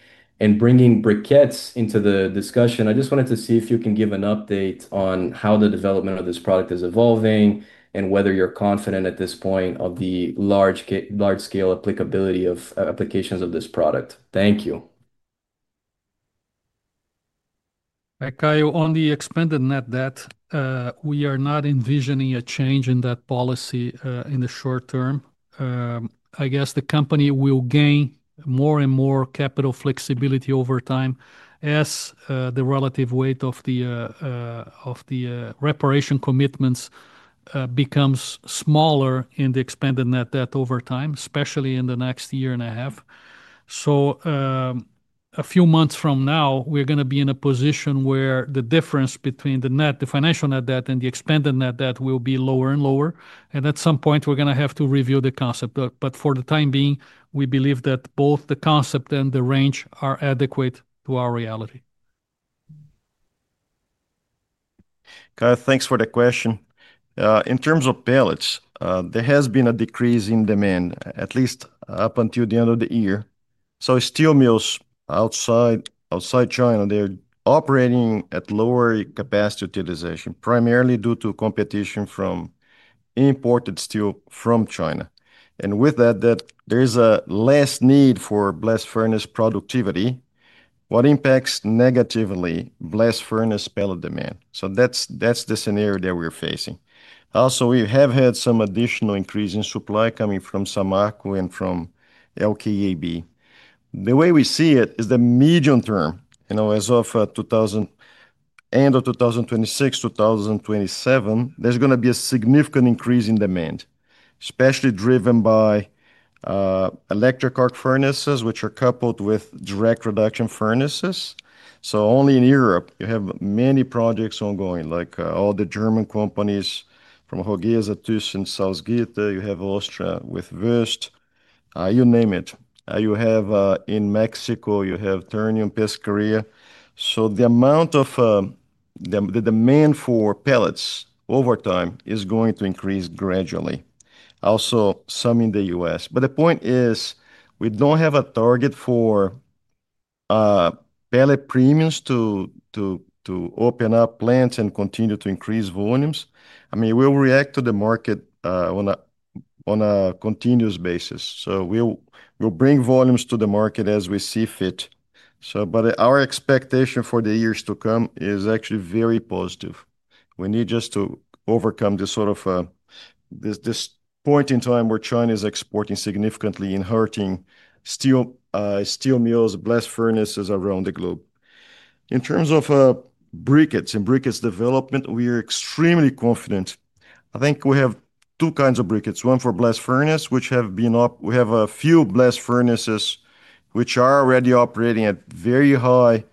Bringing briquettes into the discussion, I just wanted to see if you can give an update on how the development of this product is evolving and whether you're confident at this point of the large-scale applications of this product. Thank you. Hi, Caio. On the expanded net debt, we are not envisioning a change in that policy in the short term. I guess the company will gain more and more capital flexibility over time as the relative weight of the reparation commitments becomes smaller in the expanded net debt over time, especially in the next year and a half. A few months from now, we're going to be in a position where the difference between the financial net debt and the expanded net debt will be lower and lower. At some point, we're going to have to review the concept. For the time being, we believe that both the concept and the range are adequate to our reality. Caio, thanks for the question. In terms of pellets, there has been a decrease in demand, at least up until the end of the year. Steel mills outside China are operating at lower capacity utilization, primarily due to competition from imported steel from China. With that, there's less need for blast furnace productivity, which impacts negatively blast furnace pellet demand. That's the scenario that we're facing. Also, we have had some additional increase in supply coming from Samarco and from LKAB. The way we see it is the medium term. As of end of 2026, 2027, there's going to be a significant increase in demand, especially driven by electric arc furnaces, which are coupled with direct reduction furnaces. Only in Europe, you have many projects ongoing, like all the German companies from ROGESA Roheisen, Salzgitter, you have Austria with Wüster, you name it. You have in Mexico, you have Ternium, Psqueria. The demand for pellets over time is going to increase gradually. Also, some in the U.S. The point is, we don't have a target for pellet premiums to open up plants and continue to increase volumes. We'll react to the market on a continuous basis. We'll bring volumes to the market as we see fit. Our expectation for the years to come is actually very positive. We need just to overcome this point in time where China is exporting significantly and hurting steel mills, blast furnaces around the globe. In terms of briquettes and briquettes development, we are extremely confident. I think we have two kinds of briquettes, one for blast furnaces, which have been up. We have a few blast furnaces which are already operating at very high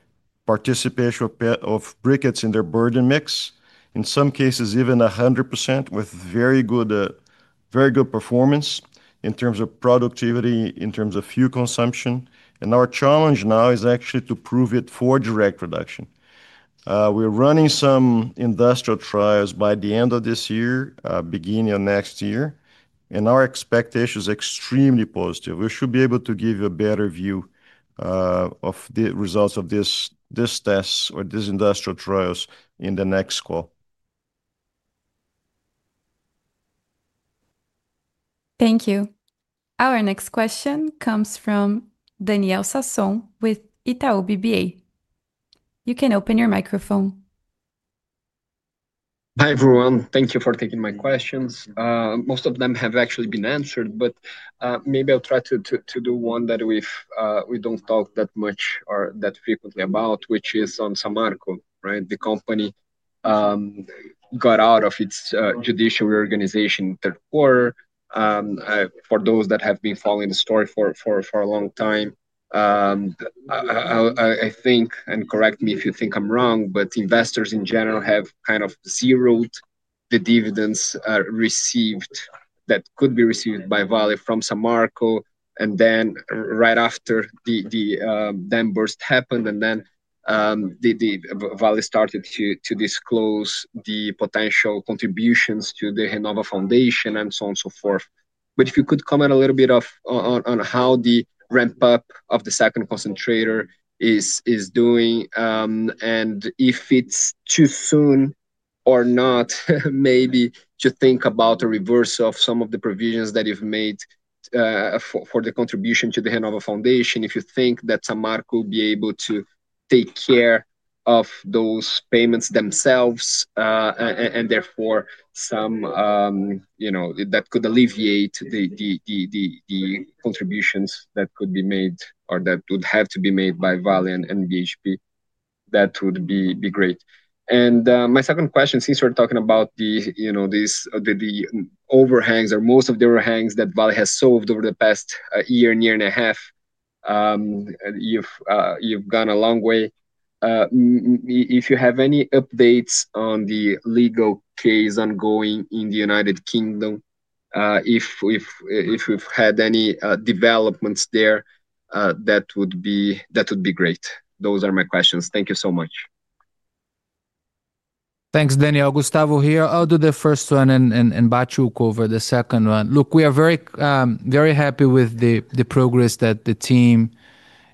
participation of briquettes in their burden mix, in some cases even 100%, with very good performance in terms of productivity, in terms of fuel consumption. Our challenge now is actually to prove it for direct production. We're running some industrial trials by the end of this year, beginning of next year. Our expectation is extremely positive. We should be able to give you a better view of the results of these tests or these industrial trials in the next call. Thank you. Our next question comes from Daniel Sasson with Itaú BBA. You can open your microphone. Hi everyone. Thank you for taking my questions. Most of them have actually been answered, but maybe I'll try to do one that we don't talk that much or that frequently about, which is on Samarco, right? The company got out of its judicial reorganization in the third quarter. For those that have been following the story for a long time, I think, and correct me if you think I'm wrong, but investors in general have kind of zeroed the dividends received that could be received by Vale from Samarco. Right after the dam burst happened, Vale started to disclose the potential contributions to the Renova Foundation and so on and so forth. If you could comment a little bit on how the ramp-up of the second concentrator is doing, and if it's too soon or not maybe to think about a reverse of some of the provisions that you've made for the contribution to the Renova Foundation, if you think that Samarco will be able to take care of those payments themselves, and therefore some that could alleviate the contributions that could be made or that would have to be made by Vale and BHP, that would be great. My second question, since we're talking about these overhangs or most of the overhangs that Vale has solved over the past year, year and a half, you've gone a long way. If you have any updates on the legal case ongoing in the United Kingdom, if we've had any developments there, that would be great. Those are my questions. Thank you so much. Thanks, Daniel. Gustavo here. I'll do the first one and Bacci will cover the second one. Look, we are very happy with the progress that the team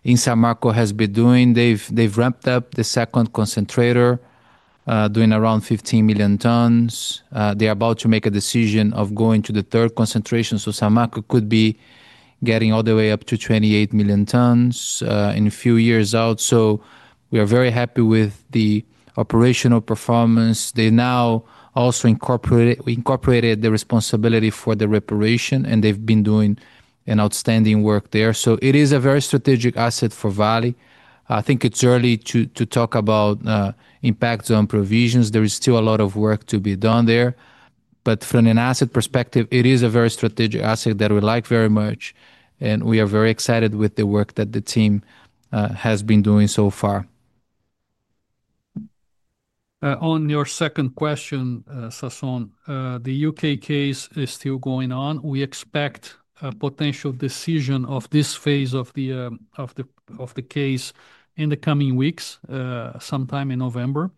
in Samarco has been doing. They've ramped up the second concentrator, doing around 15 million tons. They are about to make a decision of going to the third concentration. Samarco could be getting all the way up to 28 million tons in a few years out. We are very happy with the operational performance. They now also incorporated the responsibility for the reparation, and they've been doing an outstanding work there. It is a very strategic asset for Vale. I think it's early to talk about impacts on provisions. There is still a lot of work to be done there. From an asset perspective, it is a very strategic asset that we like very much. We are very excited with the work that the team has been doing so far. On your second question, Sasson, the U.K. case is still going on. We expect a potential decision of this phase of the case in the coming weeks, sometime in November.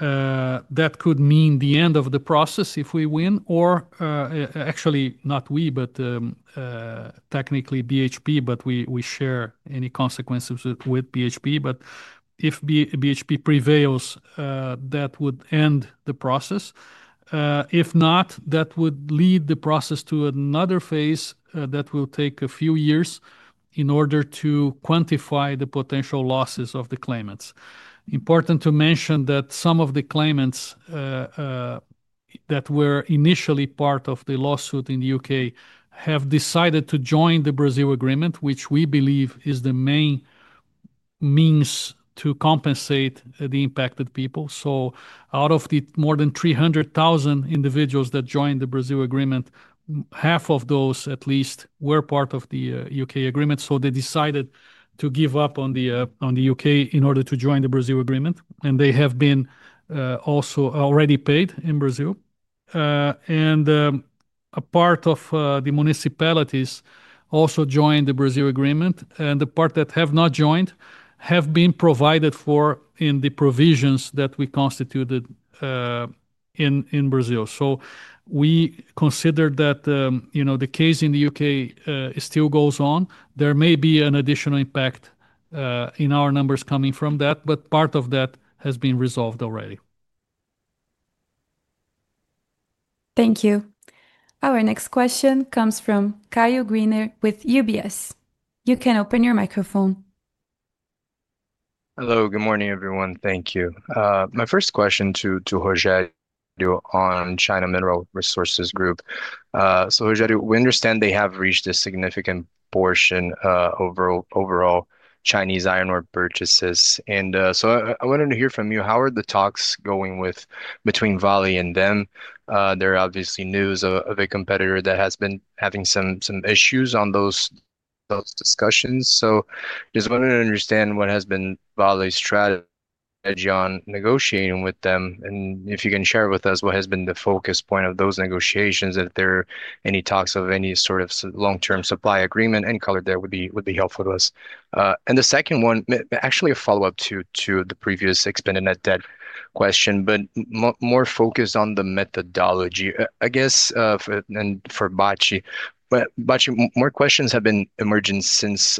That could mean the end of the process if we win, or actually not we, but technically BHP, but we share any consequences with BHP. If BHP prevails, that would end the process. If not, that would lead the process to another phase that will take a few years in order to quantify the potential losses of the claimants. Important to mention that some of the claimants that were initially part of the lawsuit in the U.K. have decided to join the Brazil agreement, which we believe is the main means to compensate the impacted people. Out of the more than 300,000 individuals that joined the Brazil agreement, half of those at least were part of the U.K. agreement. They decided to give up on the U.K. in order to join the Brazil agreement, and they have been also already paid in Brazil. A part of the municipalities also joined the Brazil agreement, and the part that have not joined have been provided for in the provisions that we constituted in Brazil. We consider that the case in the U.K. still goes on. There may be an additional impact in our numbers coming from that, but part of that has been resolved already. Thank you. Our next question comes from Caio Greiner with UBS. You can open your microphone. Hello, good morning, everyone. Thank you. My first question to Rogério on China Mineral Resources Group. Rogério, we understand they have reached a significant portion of overall Chinese iron ore purchases. I wanted to hear from you, how are the talks going between Vale and them? There are obviously news of a competitor that has been having some issues on those discussions. I just wanted to understand what has been Vale's strategy on negotiating with them, and if you can share with us what has been the focus point of those negotiations, if there are any talks of any sort of long-term supply agreement. Any color there would be helpful to us. The second one, actually a follow-up to the previous expanded net debt question, but more focused on the methodology, I guess, for Bacci. Bacci, more questions have been emerging since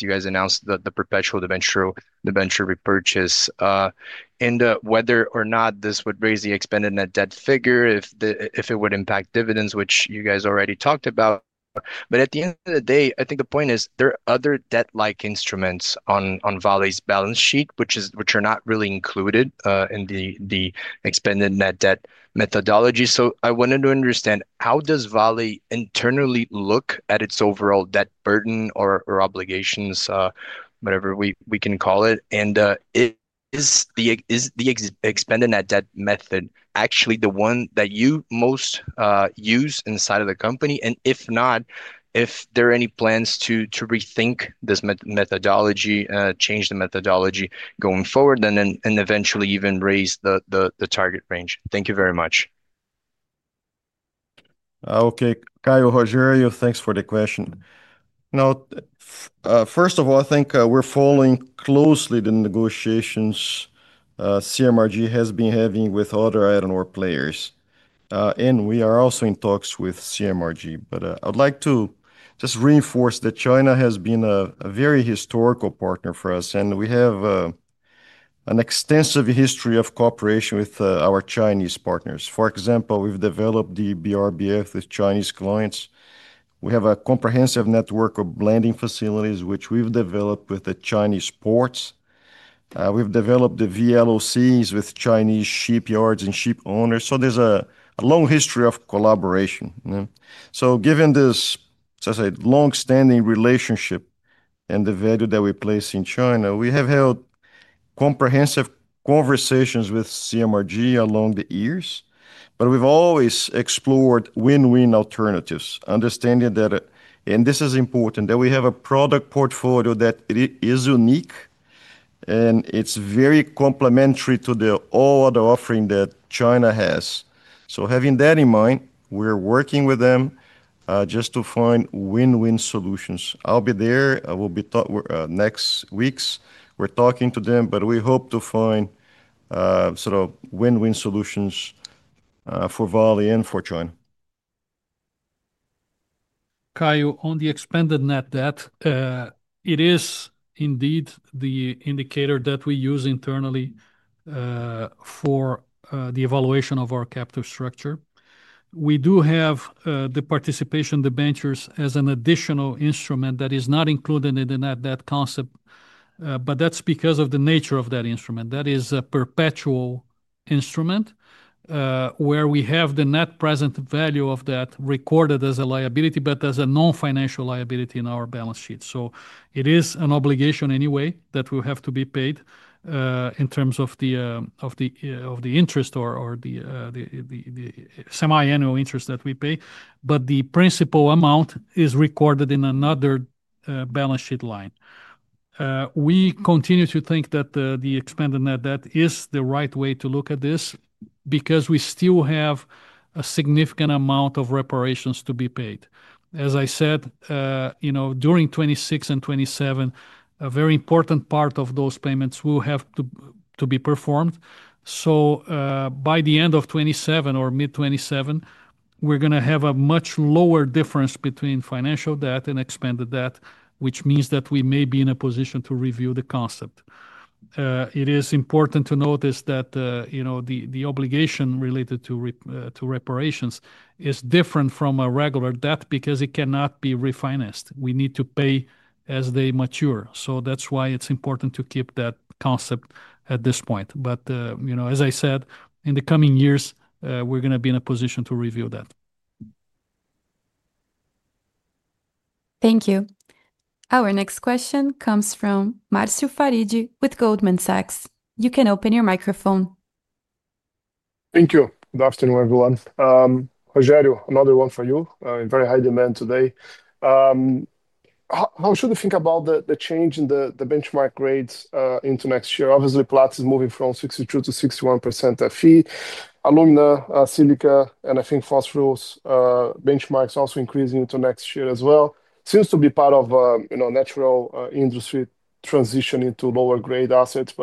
you guys announced the perpetual debenture repurchase and whether or not this would raise the expanded net debt figure, if it would impact dividends, which you guys already talked about. At the end of the day, I think the point is there are other debt-like instruments on Vale's balance sheet which are not really included in the expanded net debt methodology. I wanted to understand how does Vale internally look at its overall debt burden or obligations, whatever we can call it. Is the expanded net debt method actually the one that you most use inside of the company? If not, if there are any plans to rethink this methodology, change the methodology going forward, and eventually even raise the target range. Thank you very much. Okay, Caio, Rogério, thanks for the question. First of all, I think we're following closely the negotiations CMRG has been having with other iron ore players. We are also in talks with CMRG. I would like to just reinforce that China has been a very historical partner for us. We have an extensive history of cooperation with our Chinese partners. For example, we've developed the BRBF with Chinese clients. We have a comprehensive network of blending facilities, which we've developed with the Chinese ports. We've developed the VLOCs with Chinese shipyards and ship owners. There's a long history of collaboration. Given this long-standing relationship and the value that we place in China, we have held comprehensive conversations with CMRG along the years. We've always explored win-win alternatives, understanding that, and this is important, we have a product portfolio that is unique and very complementary to all other offerings that China has. Having that in mind, we're working with them to find win-win solutions. I'll be there. I will be talking next week. We're talking to them, and we hope to find win-win solutions for Vale and for China. Caio, on the expanded net debt. It is indeed the indicator that we use internally for the evaluation of our capital structure. We do have the participation debentures as an additional instrument that is not included in the net debt concept, but that's because of the nature of that instrument. That is a perpetual instrument where we have the net present value of that recorded as a liability, but as a non-financial liability in our balance sheet. It is an obligation anyway that will have to be paid in terms of the interest or the semi-annual interest that we pay, but the principal amount is recorded in another balance sheet line. We continue to think that the expanded net debt is the right way to look at this, because we still have a significant amount of reparations to be paid. As I said, during 2026 and 2027, a very important part of those payments will have to be performed. By the end of 2027 or mid-2027, we're going to have a much lower difference between financial debt and expanded debt, which means that we may be in a position to review the concept. It is important to notice that the obligation related to reparations is different from a regular debt because it cannot be refinanced. We need to pay as they mature. That's why it's important to keep that concept at this point. As I said, in the coming years, we're going to be in a position to review that. Thank you. Our next question comes from Marcio Farid with Goldman Sachs. You can open your microphone. Thank you, good afternoon, everyone. Rogério, another one for you. In very high demand today. How should we think about the change in the benchmark grades into next year? Obviously, Platts is moving from 62%-61% Fe, alumina, silica, and I think phosphorus benchmarks also increasing into next year as well. Seems to be part of, you know, natural industry transition into lower-grade assets.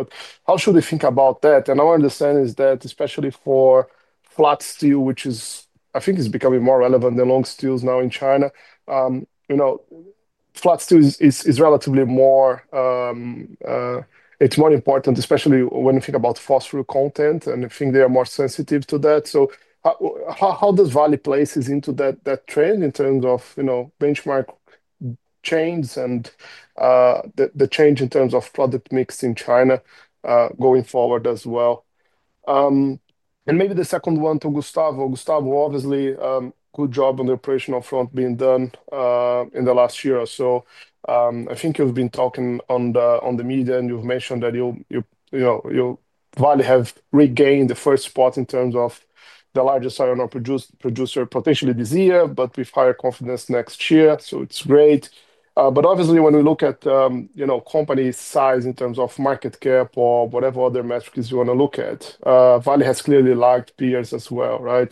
How should we think about that? Our understanding is that, especially for flat steel, which is, I think, is becoming more relevant than long steels now in China, you know, flat steel is relatively more, it's more important, especially when you think about phosphorus content, and I think they are more sensitive to that. How does Vale place into that trend in terms of benchmark change and the change in terms of product mix in China going forward as well? Maybe the second one to Gustavo. Gustavo, obviously, good job on the operational front being done in the last year or so. I think you've been talking on the media, and you've mentioned that you, you know, you, Vale, have regained the first spot in terms of the largest iron ore producer, potentially this year, but with higher confidence next year. It's great. Obviously, when we look at company size in terms of market cap or whatever other metrics you want to look at, Vale has clearly lagged peers as well, right?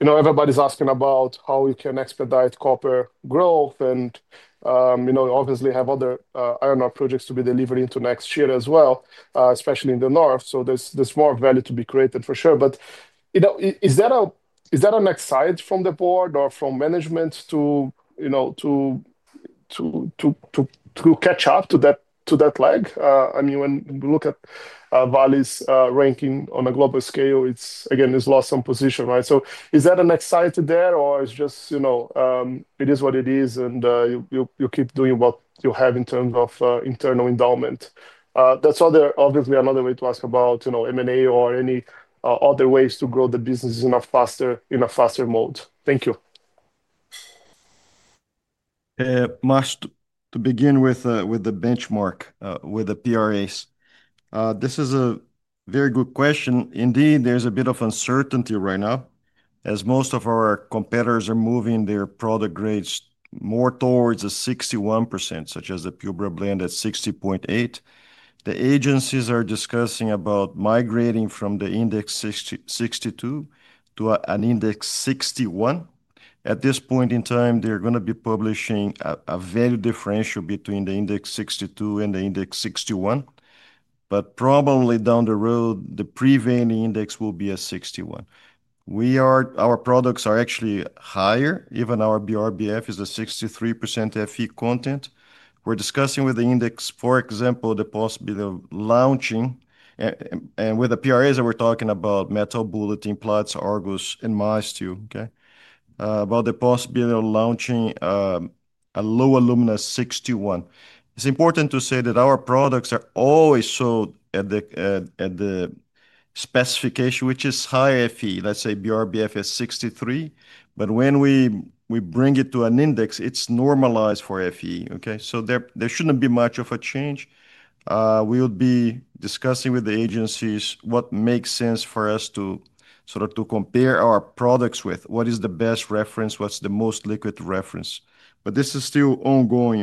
Everybody's asking about how we can expedite copper growth and, you know, obviously have other iron ore projects to be delivered into next year as well, especially in the north. There's more value to be created for sure. Is that an ex-side from the Board or from management to catch up to that lag? I mean, when we look at Vale's ranking on a global scale, it's, again, it's lost some position, right? Is that an ex-side there or it's just, you know, it is what it is and you keep doing what you have in terms of internal endowment? That's obviously another way to ask about M&A or any other ways to grow the business in a faster mode. Thank you. Marcio, to begin with, with the benchmark, with the PRAs, this is a very good question. Indeed, there's a bit of uncertainty right now as most of our competitors are moving their product grades more towards a 61%, such as the Pilbara Blend at 60.8%. The agencies are discussing about migrating from the index 62% to an index 61%. At this point in time, they're going to be publishing a value differential between the index 62% and the index 61%. Probably down the road, the prevailing index will be a 61%. Our products are actually higher. Even our BRBF is a 63% Fe content. We're discussing with the index, for example, the possibility of launching, and with the PRAs that we're talking about, Metal Bulletin, Platts, Argus, and Mysteel, about the possibility of launching a low alumina 61. It's important to say that our products are always sold at the specification, which is high Fe, let's say BRBF is 63%. When we bring it to an index, it's normalized for Fe. There shouldn't be much of a change. We'll be discussing with the agencies what makes sense for us to sort of compare our products with, what is the best reference, what's the most liquid reference. This is still ongoing.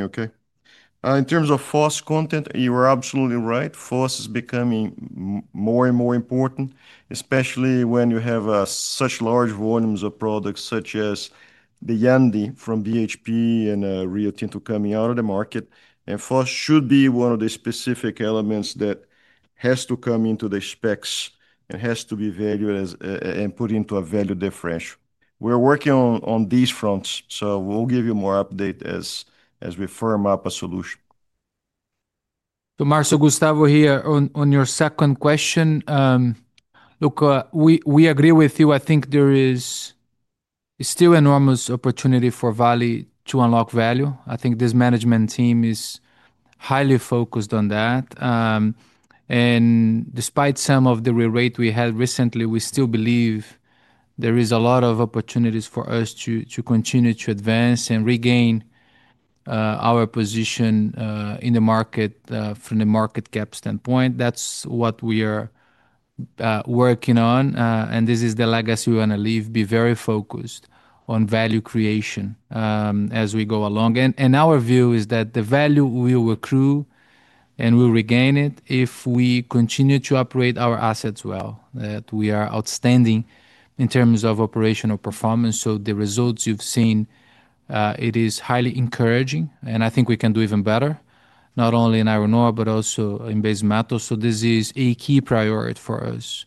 In terms of FOS content, you are absolutely right. FOS is becoming more and more important, especially when you have such large volumes of products such as the Yandi from BHP and Rio Tinto coming out of the market. FOS should be one of the specific elements that has to come into the specs and has to be valued as, and put into a value differential. We're working on these fronts. We'll give you more update as we firm up a solution. To Marcio, Gustavo here on your second question. Look, we agree with you. I think there is still enormous opportunity for Vale to unlock value. I think this management team is highly focused on that. Despite some of the rerate we had recently, we still believe there is a lot of opportunities for us to continue to advance and regain our position in the market from the market cap standpoint. That's what we are working on. This is the legacy we want to leave, be very focused on value creation as we go along. Our view is that the value we will accrue and we'll regain it if we continue to operate our assets well, that we are outstanding in terms of operational performance. The results you've seen are highly encouraging, and I think we can do even better, not only in iron ore, but also in Base Metals. This is a key priority for us.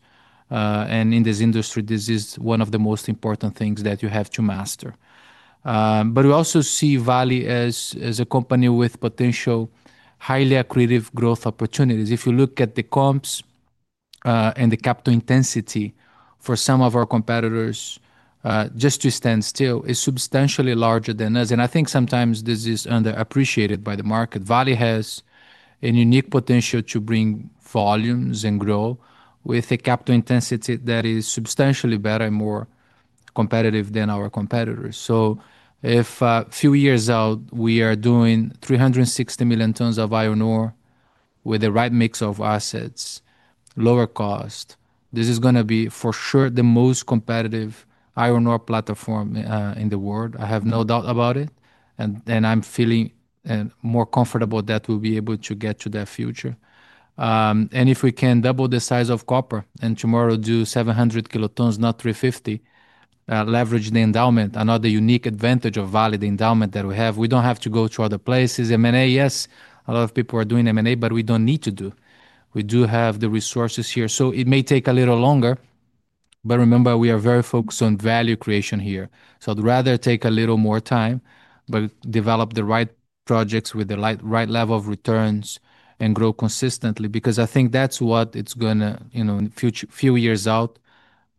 In this industry, this is one of the most important things that you have to master. We also see Vale as a company with potential highly-accretive growth opportunities. If you look at the comps and the CapEx intensity for some of our competitors, just to stand still, is substantially larger than us. I think sometimes this is underappreciated by the market. Vale has a unique potential to bring volumes and grow with a capital intensity that is substantially better and more competitive than our competitors. If, a few years out, we are doing 360 million tons of iron ore with the right mix of assets, lower cost, this is going to be for sure the most competitive iron ore platform in the world. I have no doubt about it. I'm feeling more comfortable that we'll be able to get to that future. If we can double the size of copper and tomorrow do 700 kilotons, not 350, leverage the endowment, another unique advantage of Vale endowment that we have, we don't have to go to other places. M&A, yes, a lot of people are doing M&A, but we don't need to do. We do have the resources here. It may take a little longer, but remember we are very focused on value creation here. I'd rather take a little more time, but develop the right projects with the right level of returns and grow consistently because I think that's what is going to, you know, in future, a few years out,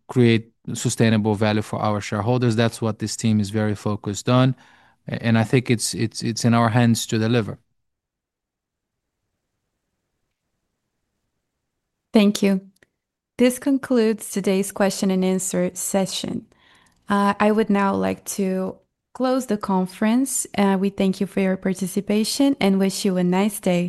create sustainable value for our shareholders. That's what this team is very focused on. I think it's in our hands to deliver. Thank you. This concludes today's question-and-answer session. I would now like to close the conference. We thank you for your participation and wish you a nice day.